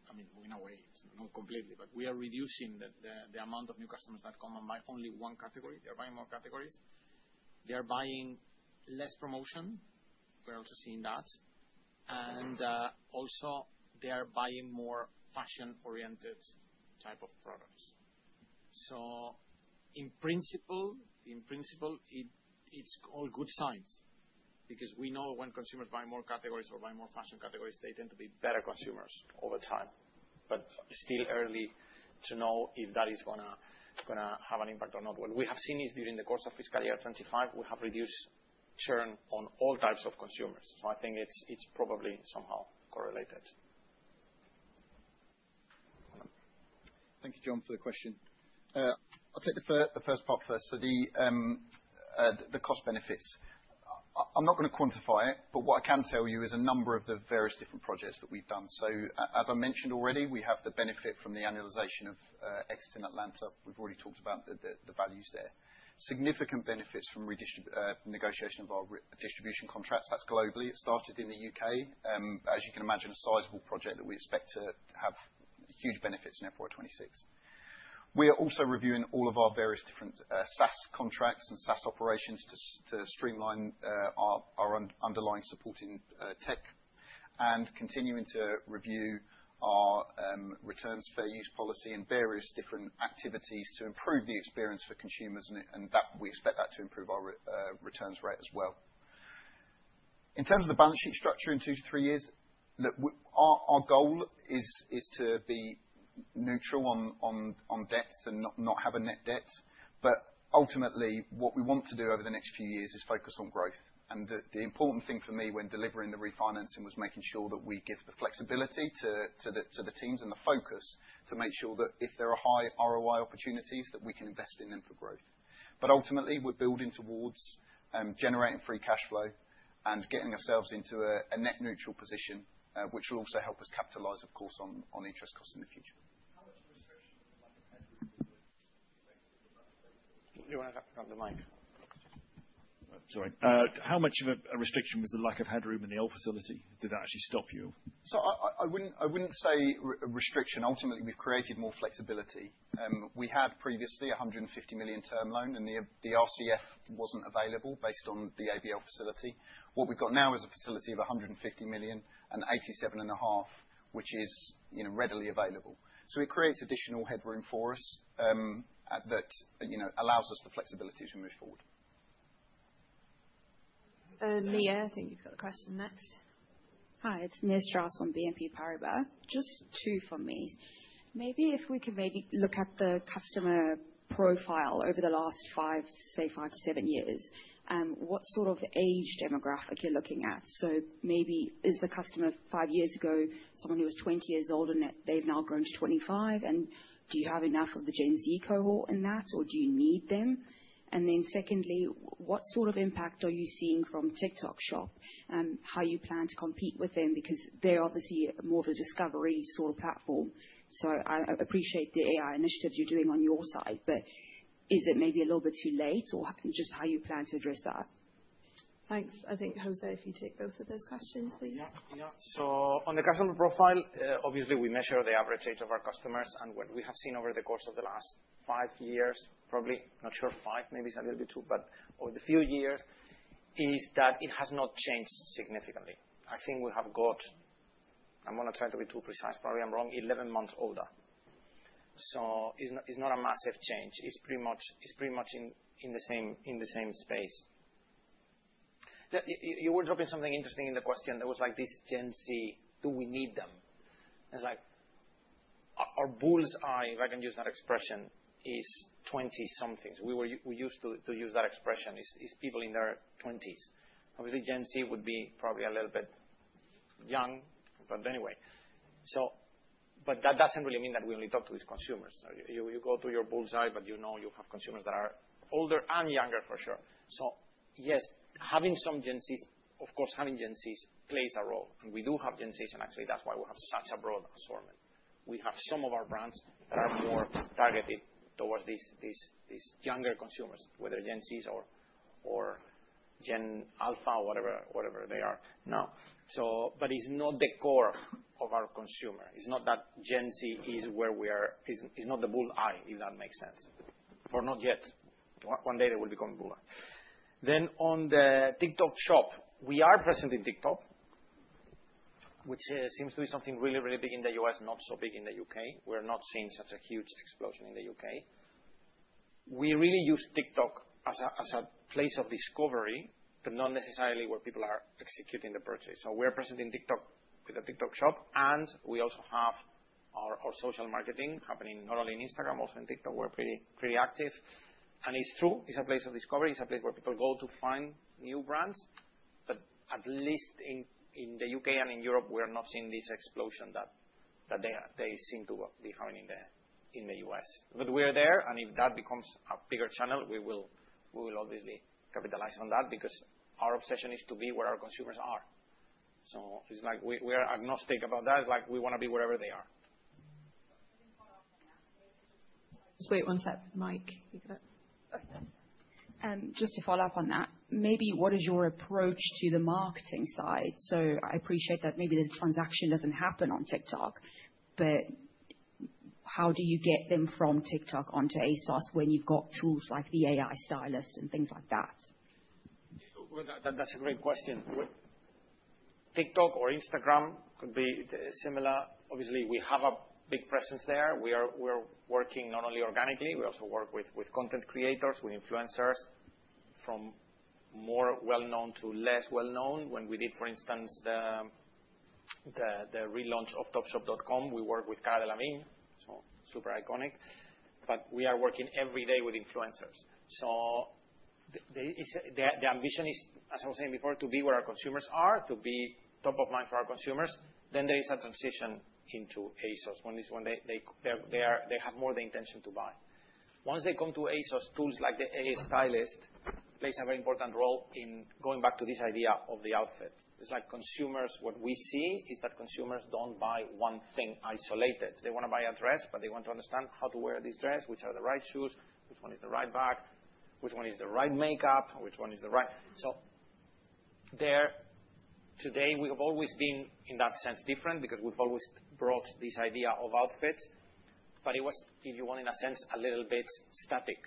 I mean, moving away, it's not completely, but we are reducing the amount of new customers that come and buy only one category. They're buying more categories. They're buying less promotion. We're also seeing that. Also, they are buying more fashion-oriented type of products. In principle, in principle, it's all good signs because we know when consumers buy more categories or buy more fashion categories, they tend to be better consumers over time. Still early to know if that is gonna, gonna have an impact or not. What we have seen is during the course of fiscal year 2025, we have reduced churn on all types of consumers. I think it's, it's probably somehow correlated. Thank you, John, for the question. I'll take the first, the first part first. The cost benefits. I'm not gonna quantify it, but what I can tell you is a number of the various different projects that we've done. As I mentioned already, we have the benefit from the annualization of Exton Atlanta. We've already talked about the values there. Significant benefits from redistribu---negotiation of our distribution contracts. That's globally. It started in the U.K., as you can imagine, a sizable project that we expect to have huge benefits in fiscal year 2026. We are also reviewing all of our various different SaaS contracts and SaaS operations to streamline our underlying supporting tech and continuing to review our returns fair use policy and various different activities to improve the experience for consumers. That we expect that to improve our returns rate as well. In terms of the balance sheet structure in two to three years, look, our goal is to be neutral on debts and not have a net debt. Ultimately, what we want to do over the next few years is focus on growth. The important thing for me when delivering the refinancing was making sure that we give the flexibility to the teams and the focus to make sure that if there are high ROI opportunities, that we can invest in them for growth. Ultimately, we're building towards generating free cash flow and getting ourselves into a net neutral position, which will also help us capitalize, of course, on interest costs in the future. How much of a restriction was the lack of headroom in the old facility? You want to come to the mic? Sorry. How much of a restriction was the lack of headroom in the old facility? Did that actually stop you? I wouldn't say restriction. Ultimately, we've created more flexibility. We had previously a 150 million term loan, and the RCF wasn't available based on the ABL facility. What we've got now is a facility of 150 million and 87.5 million, which is, you know, readily available. It creates additional headroom for us that, you know, allows us the flexibility to move forward. Mia, I think you've got the question next. Hi, it's Mia Strauss from BNP Paribas. Just two from me. Maybe if we could maybe look at the customer profile over the last five, say five to seven years, what sort of age demographic you're looking at? Maybe is the customer five years ago someone who was 20 years old and they've now grown to 25? Do you have enough of the Gen Z cohort in that, or do you need them? Secondly, what sort of impact are you seeing from TikTok Shop and how you plan to compete with them? They're obviously more of a discovery sort of platform. I appreciate the AI initiatives you're doing on your side, but is it maybe a little bit too late or just how you plan to address that? Thanks. I think José, if you take both of those questions, please. Yeah. Yeah. On the customer profile, obviously we measure the average age of our customers. What we have seen over the course of the last five years, probably not sure five, maybe it's a little bit too, but over the few years is that it has not changed significantly. I think we have got, I'm gonna try to be too precise, probably I'm wrong, 11 months older. It's not a massive change. It's pretty much in the same space. You were dropping something interesting in the question. There was like this Gen-Z, do we need them? It's like our bull's eye, if I can use that expression, is 20 somethings. We used to use that expression. It's people in their 20s. Obviously, Gen-Z would be probably a little bit young, but anyway. That doesn't really mean that we only talk to these consumers. You go to your bull's eye, but you know you have consumers that are older and younger for sure. Yes, having some Gen-Zs, of course, having Gen-Zs plays a role. We do have Gen-Zs, and actually that's why we have such a broad assortment. We have some of our brands that are more targeted towards these younger consumers, whether Gen-Zs or Gen Alpha or whatever, whatever they are. Now, it's not the core of our consumer. It's not that Gen-Z is where we are. It's not the bull's eye, if that makes sense, or not yet. One day they will become bull. On the TikTok Shop, we are present in TikTok, which seems to be something really, really big in the U.S., not so big in the U.K. We're not seeing such a huge explosion in the U.K. We really use TikTok as a place of discovery, but not necessarily where people are executing the purchase. We are present in TikTok with the TikTok Shop, and we also have our social marketing happening not only in Instagram, also in TikTok. We're pretty, pretty active. It is true. It is a place of discovery. It is a place where people go to find new brands. At least in the U.K. and in Europe, we are not seeing this explosion that they seem to be having in the U.S. We are there, and if that becomes a bigger channel, we will obviously capitalize on that because our obsession is to be where our consumers are. It is like we are agnostic about that. It is like we want to be wherever they are. Just wait one sec. Mia, you got it? Okay. Just to follow up on that, maybe what is your approach to the marketing side? I appreciate that maybe the transaction does not happen on TikTok, but how do you get them from TikTok onto ASOS when you have got tools like the AI stylist and things like that? That is a great question. TikTok or Instagram could be similar. Obviously, we have a big presence there. We are working not only organically. We also work with content creators, with influencers from more well-known to less well-known. When we did, for instance, the relaunch of Topshop.com, we worked with Cara Delevingne, so super iconic. We are working every day with influencers. The ambition is, as I was saying before, to be where our consumers are, to be top of mind for our consumers. There is a transition into ASOS when they have more the intention to buy. Once they come to ASOS, tools like the A stylist plays a very important role in going back to this idea of the outfit. It's like consumers, what we see is that consumers don't buy one thing isolated. They want to buy a dress, but they want to understand how to wear this dress, which are the right shoes, which one is the right bag, which one is the right makeup, which one is the right. We have always been in that sense different because we've always brought this idea of outfits. It was, if you want, in a sense, a little bit static.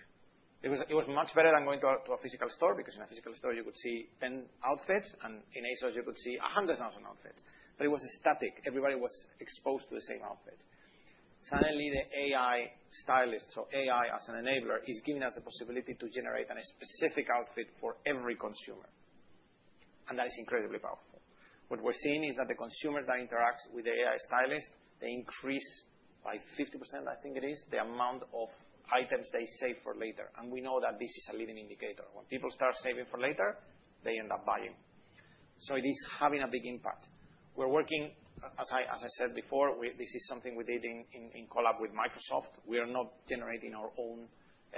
It was much better than going to a physical store because in a physical store, you could see 10 outfits, and in ASOS, you could see 100,000 outfits. It was static. Everybody was exposed to the same outfit. Suddenly, the AI stylist, so AI as an enabler, is giving us the possibility to generate a specific outfit for every consumer. That is incredibly powerful. What we're seeing is that the consumers that interact with the AI stylist, they increase by 50%, I think it is, the amount of items they save for later. We know that this is a leading indicator. When people start saving for later, they end up buying. It is having a big impact. We're working, as I said before, this is something we did in collab with Microsoft. We are not generating our own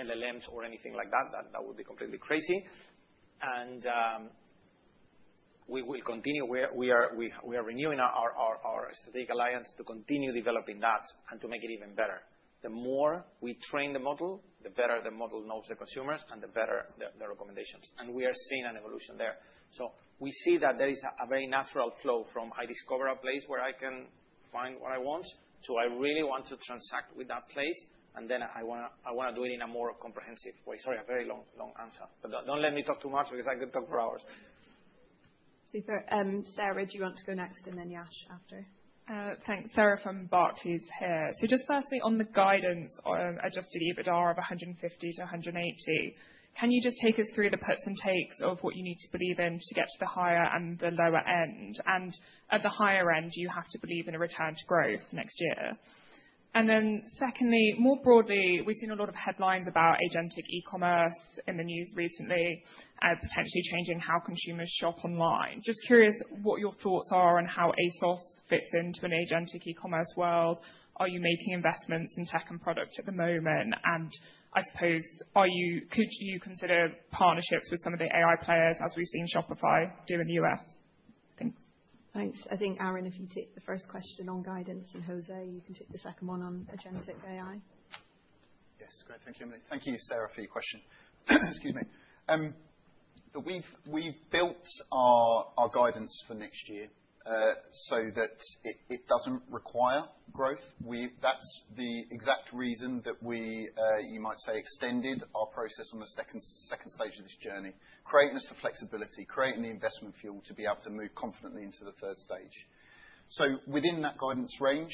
LLMs or anything like that. That would be completely crazy. We will continue. We are renewing our strategic alliance to continue developing that and to make it even better. The more we train the model, the better the model knows the consumers and the better the recommendations. We are seeing an evolution there. We see that there is a very natural flow from I discover a place where I can find what I want to, I really want to transact with that place, and then I wanna do it in a more comprehensive way. Sorry, a very long, long answer. Don't let me talk too much because I could talk for hours. Super. Sarah, did you want to go next and then Yash after? Thanks. Sarah from Barclays here. Just firstly on the guidance, adjusted EBITDA of 150 million-180 million. Can you just take us through the puts and takes of what you need to believe in to get to the higher and the lower end? At the higher end, you have to believe in a return to growth next year. Secondly, more broadly, we've seen a lot of headlines about agentic e-commerce in the news recently and potentially changing how consumers shop online. Just curious what your thoughts are on how ASOS fits into an agentic e-commerce world. Are you making investments in tech and product at the moment? I suppose, are you, could you consider partnerships with some of the AI players as we've seen Shopify do in the U.S.? Thanks. Thanks. I think Aaron, if you take the first question on guidance, and José, you can take the second one on agentic AI. Yes. Great. Thank you, Emily. Thank you, Sarah, for your question. Excuse me. We've built our guidance for next year, so that it doesn't require growth. That's the exact reason that you might say we extended our process on the second stage of this journey, creating us the flexibility, creating the investment fuel to be able to move confidently into the third stage. Within that guidance range,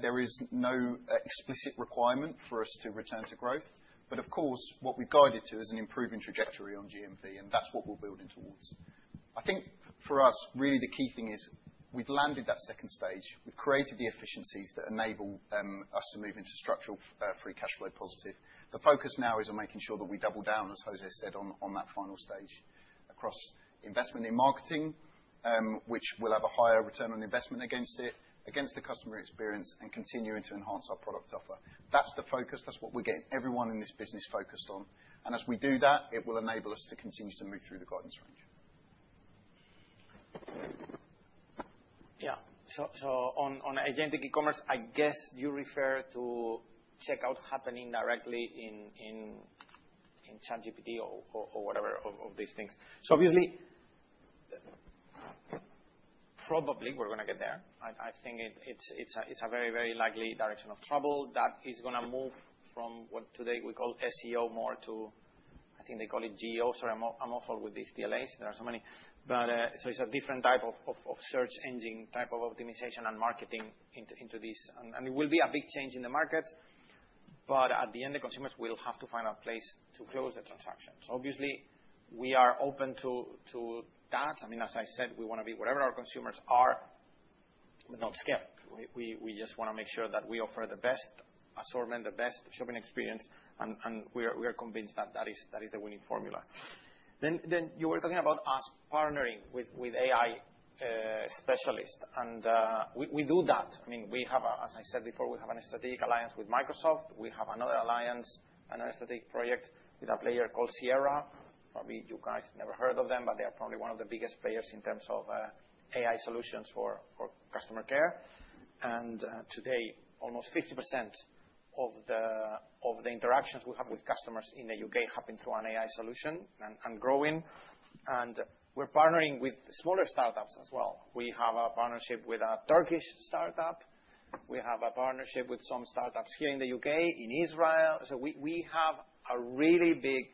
there is no explicit requirement for us to return to growth. Of course, what we've guided to is an improving trajectory on GMV, and that's what we're building towards. I think for us, really the key thing is we've landed that second stage. We've created the efficiencies that enable us to move into structural, free cash flow positive. The focus now is on making sure that we double down, as José said, on that final stage across investment in marketing, which will have a higher return on investment against it, against the customer experience, and continuing to enhance our product offer. That's the focus. That's what we're getting everyone in this business focused on. As we do that, it will enable us to continue to move through the guidance range. Yeah. On agentic e-commerce, I guess you refer to checkout happening directly in ChatGPT or whatever of these things. Obviously, probably we're gonna get there. I think it's a very, very likely direction of trouble that is gonna move from what today we call SEO more to, I think they call it GEO. Sorry, I'm all for with these LLMs. There are so many. It's a different type of search engine type of optimisation and marketing into this. It will be a big change in the market. At the end, the consumers will have to find a place to close the transaction. Obviously, we are open to that. I mean, as I said, we wanna be wherever our consumers are, but not scared. We just wanna make sure that we offer the best assortment, the best shopping experience, and we are convinced that that is the winning formula. You were talking about us partnering with AI specialists. We do that. I mean, we have, as I said before, a strategic alliance with Microsoft. We have another alliance and an agentic project with a player called Sierra. Probably you guys never heard of them, but they are probably one of the biggest players in terms of AI solutions for customer care. Today, almost 50% of the interactions we have with customers in the U.K. happen through an AI solution and growing. We're partnering with smaller startups as well. We have a partnership with a Turkish startup. We have a partnership with some startups here in the U.K., in Israel. We have a really big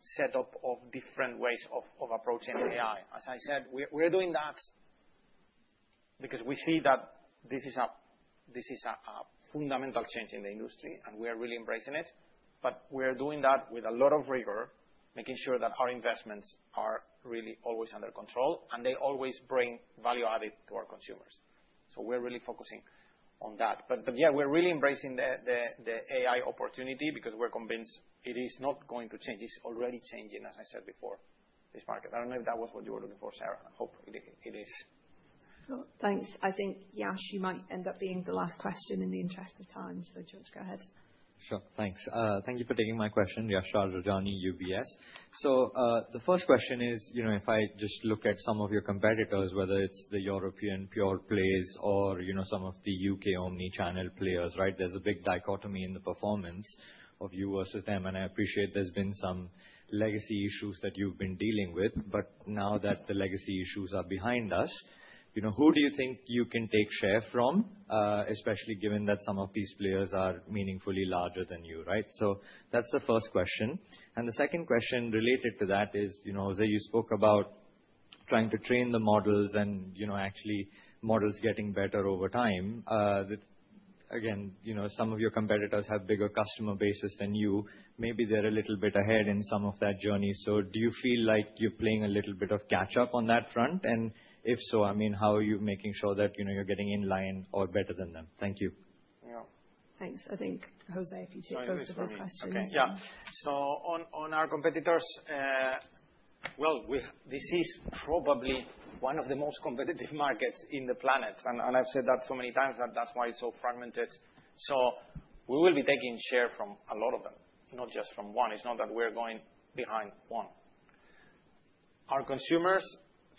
setup of different ways of approaching AI. As I said, we're doing that because we see that this is a fundamental change in the industry, and we are really embracing it. We are doing that with a lot of rigor, making sure that our investments are really always under control and they always bring value added to our consumers. We are really focusing on that. Yeah, we're really embracing the AI opportunity because we're convinced it is not going to change. It's already changing, as I said before, this market. I don't know if that was what you were looking for, Sarah. I hope it is. Thanks. I think Yash, you might end up being the last question in the interest of time. Do you want to go ahead? Sure. Thanks. Thank you for taking my question. Yashraj Rajani, UBS. The first question is, you know, if I just look at some of your competitors, whether it's the European pure plays or, you know, some of the U.K. omnichannel players, right? There's a big dichotomy in the performance of you versus them. I appreciate there's been some legacy issues that you've been dealing with. Now that the legacy issues are behind us, you know, who do you think you can take share from, especially given that some of these players are meaningfully larger than you, right? That's the first question. The second question related to that is, you know, José, you spoke about trying to train the models and, you know, actually models getting better over time. Again, you know, some of your competitors have bigger customer bases than you. Maybe they're a little bit ahead in some of that journey. Do you feel like you're playing a little bit of catch-up on that front? If so, I mean, how are you making sure that, you know, you're getting in line or better than them? Thank you. Yeah. Thanks. I think, José, if you take both of those questions. Yeah. On our competitors, we, this is probably one of the most competitive markets on the planet. I've said that so many times that that's why it's so fragmented. We will be taking share from a lot of them, not just from one. It's not that we're going behind one. Our consumers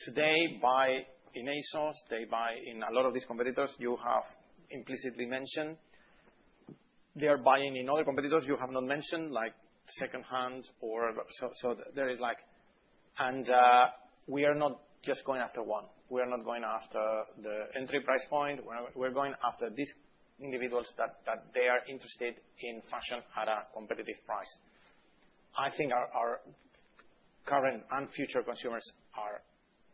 today buy in ASOS. They buy in a lot of these competitors. You have implicitly mentioned they are buying in other competitors you have not mentioned, like secondhand or so, so there is like. We are not just going after one. We are not going after the entry price point. We're going after these individuals that, that they are interested in fashion at a competitive price. I think our, our current and future consumers are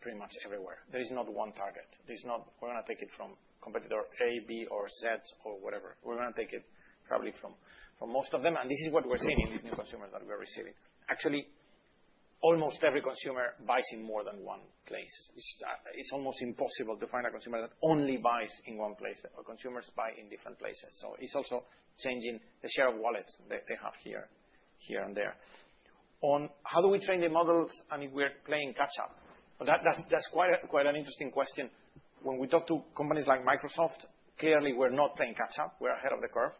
pretty much everywhere. There is not one target. There's not, we're gonna take it from competitor A, B, or Z, or whatever. We're gonna take it probably from, from most of them. This is what we're seeing in these new consumers that we are receiving. Actually, almost every consumer buys in more than one place. It's almost impossible to find a consumer that only buys in one place. Our consumers buy in different places. It is also changing the share of wallets they have here, here and there. On how do we train the models? I mean, we're playing catch-up. That is quite a, quite an interesting question. When we talk to companies like Microsoft, clearly we're not playing catch-up. We're ahead of the curve.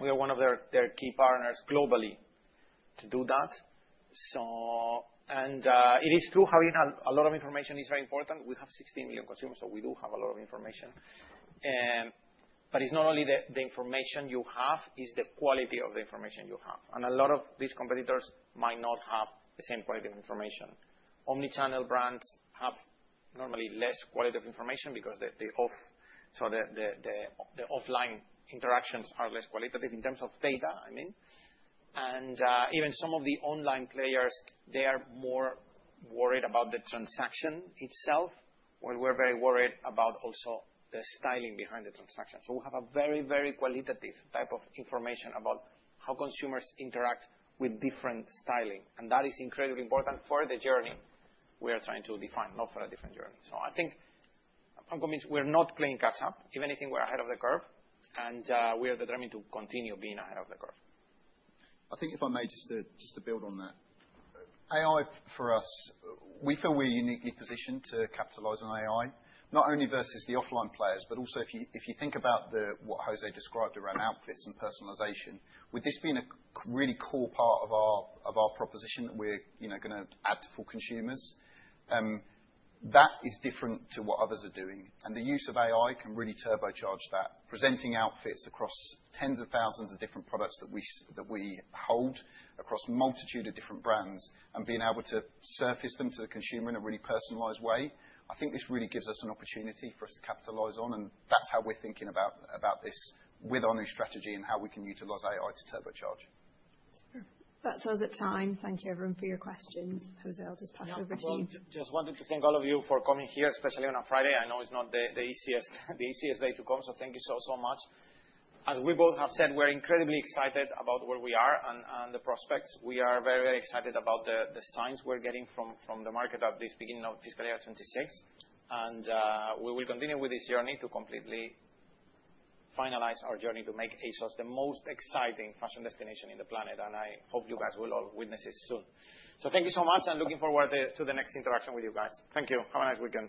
We are one of their key partners globally to do that. It is true having a lot of information is very important. We have 16 million consumers, so we do have a lot of information. It's not only the information you have, it's the quality of the information you have. A lot of these competitors might not have the same quality of information. Omnichannel brands have normally less quality of information because the offline interactions are less qualitative in terms of data, I mean. Even some of the online players, they are more worried about the transaction itself while we're very worried about also the styling behind the transaction. We have a very, very qualitative type of information about how consumers interact with different styling. That is incredibly important for the journey we are trying to define, not for a different journey. I think I'm convinced we're not playing catch-up. If anything, we're ahead of the curve. We are determined to continue being ahead of the curve. I think if I may, just to build on that, AI for us, we feel we're uniquely positioned to capitalize on AI, not only versus the offline players, but also if you think about what José described around outfits and personalization, with this being a really core part of our proposition that we're, you know, gonna add to for consumers, that is different to what others are doing. The use of AI can really turbocharge that, presenting outfits across tens of thousands of different products that we hold across a multitude of different brands and being able to surface them to the consumer in a really personalized way. I think this really gives us an opportunity for us to capitalize on. That is how we are thinking about this with our new strategy and how we can utilize AI to turbocharge. That said, it is time. Thank you, everyone, for your questions. José, I will just pass over to you. Just wanted to thank all of you for coming here, especially on a Friday. I know it is not the easiest day to come. Thank you so, so much. As we both have said, we are incredibly excited about where we are and the prospects. We are very, very excited about the signs we're getting from the market at this beginning of fiscal year 2026. We will continue with this journey to completely finalize our journey to make ASOS the most exciting fashion destination in the planet. I hope you guys will all witness it soon. Thank you so much and looking forward to the next interaction with you guys. Thank you. Have a nice weekend.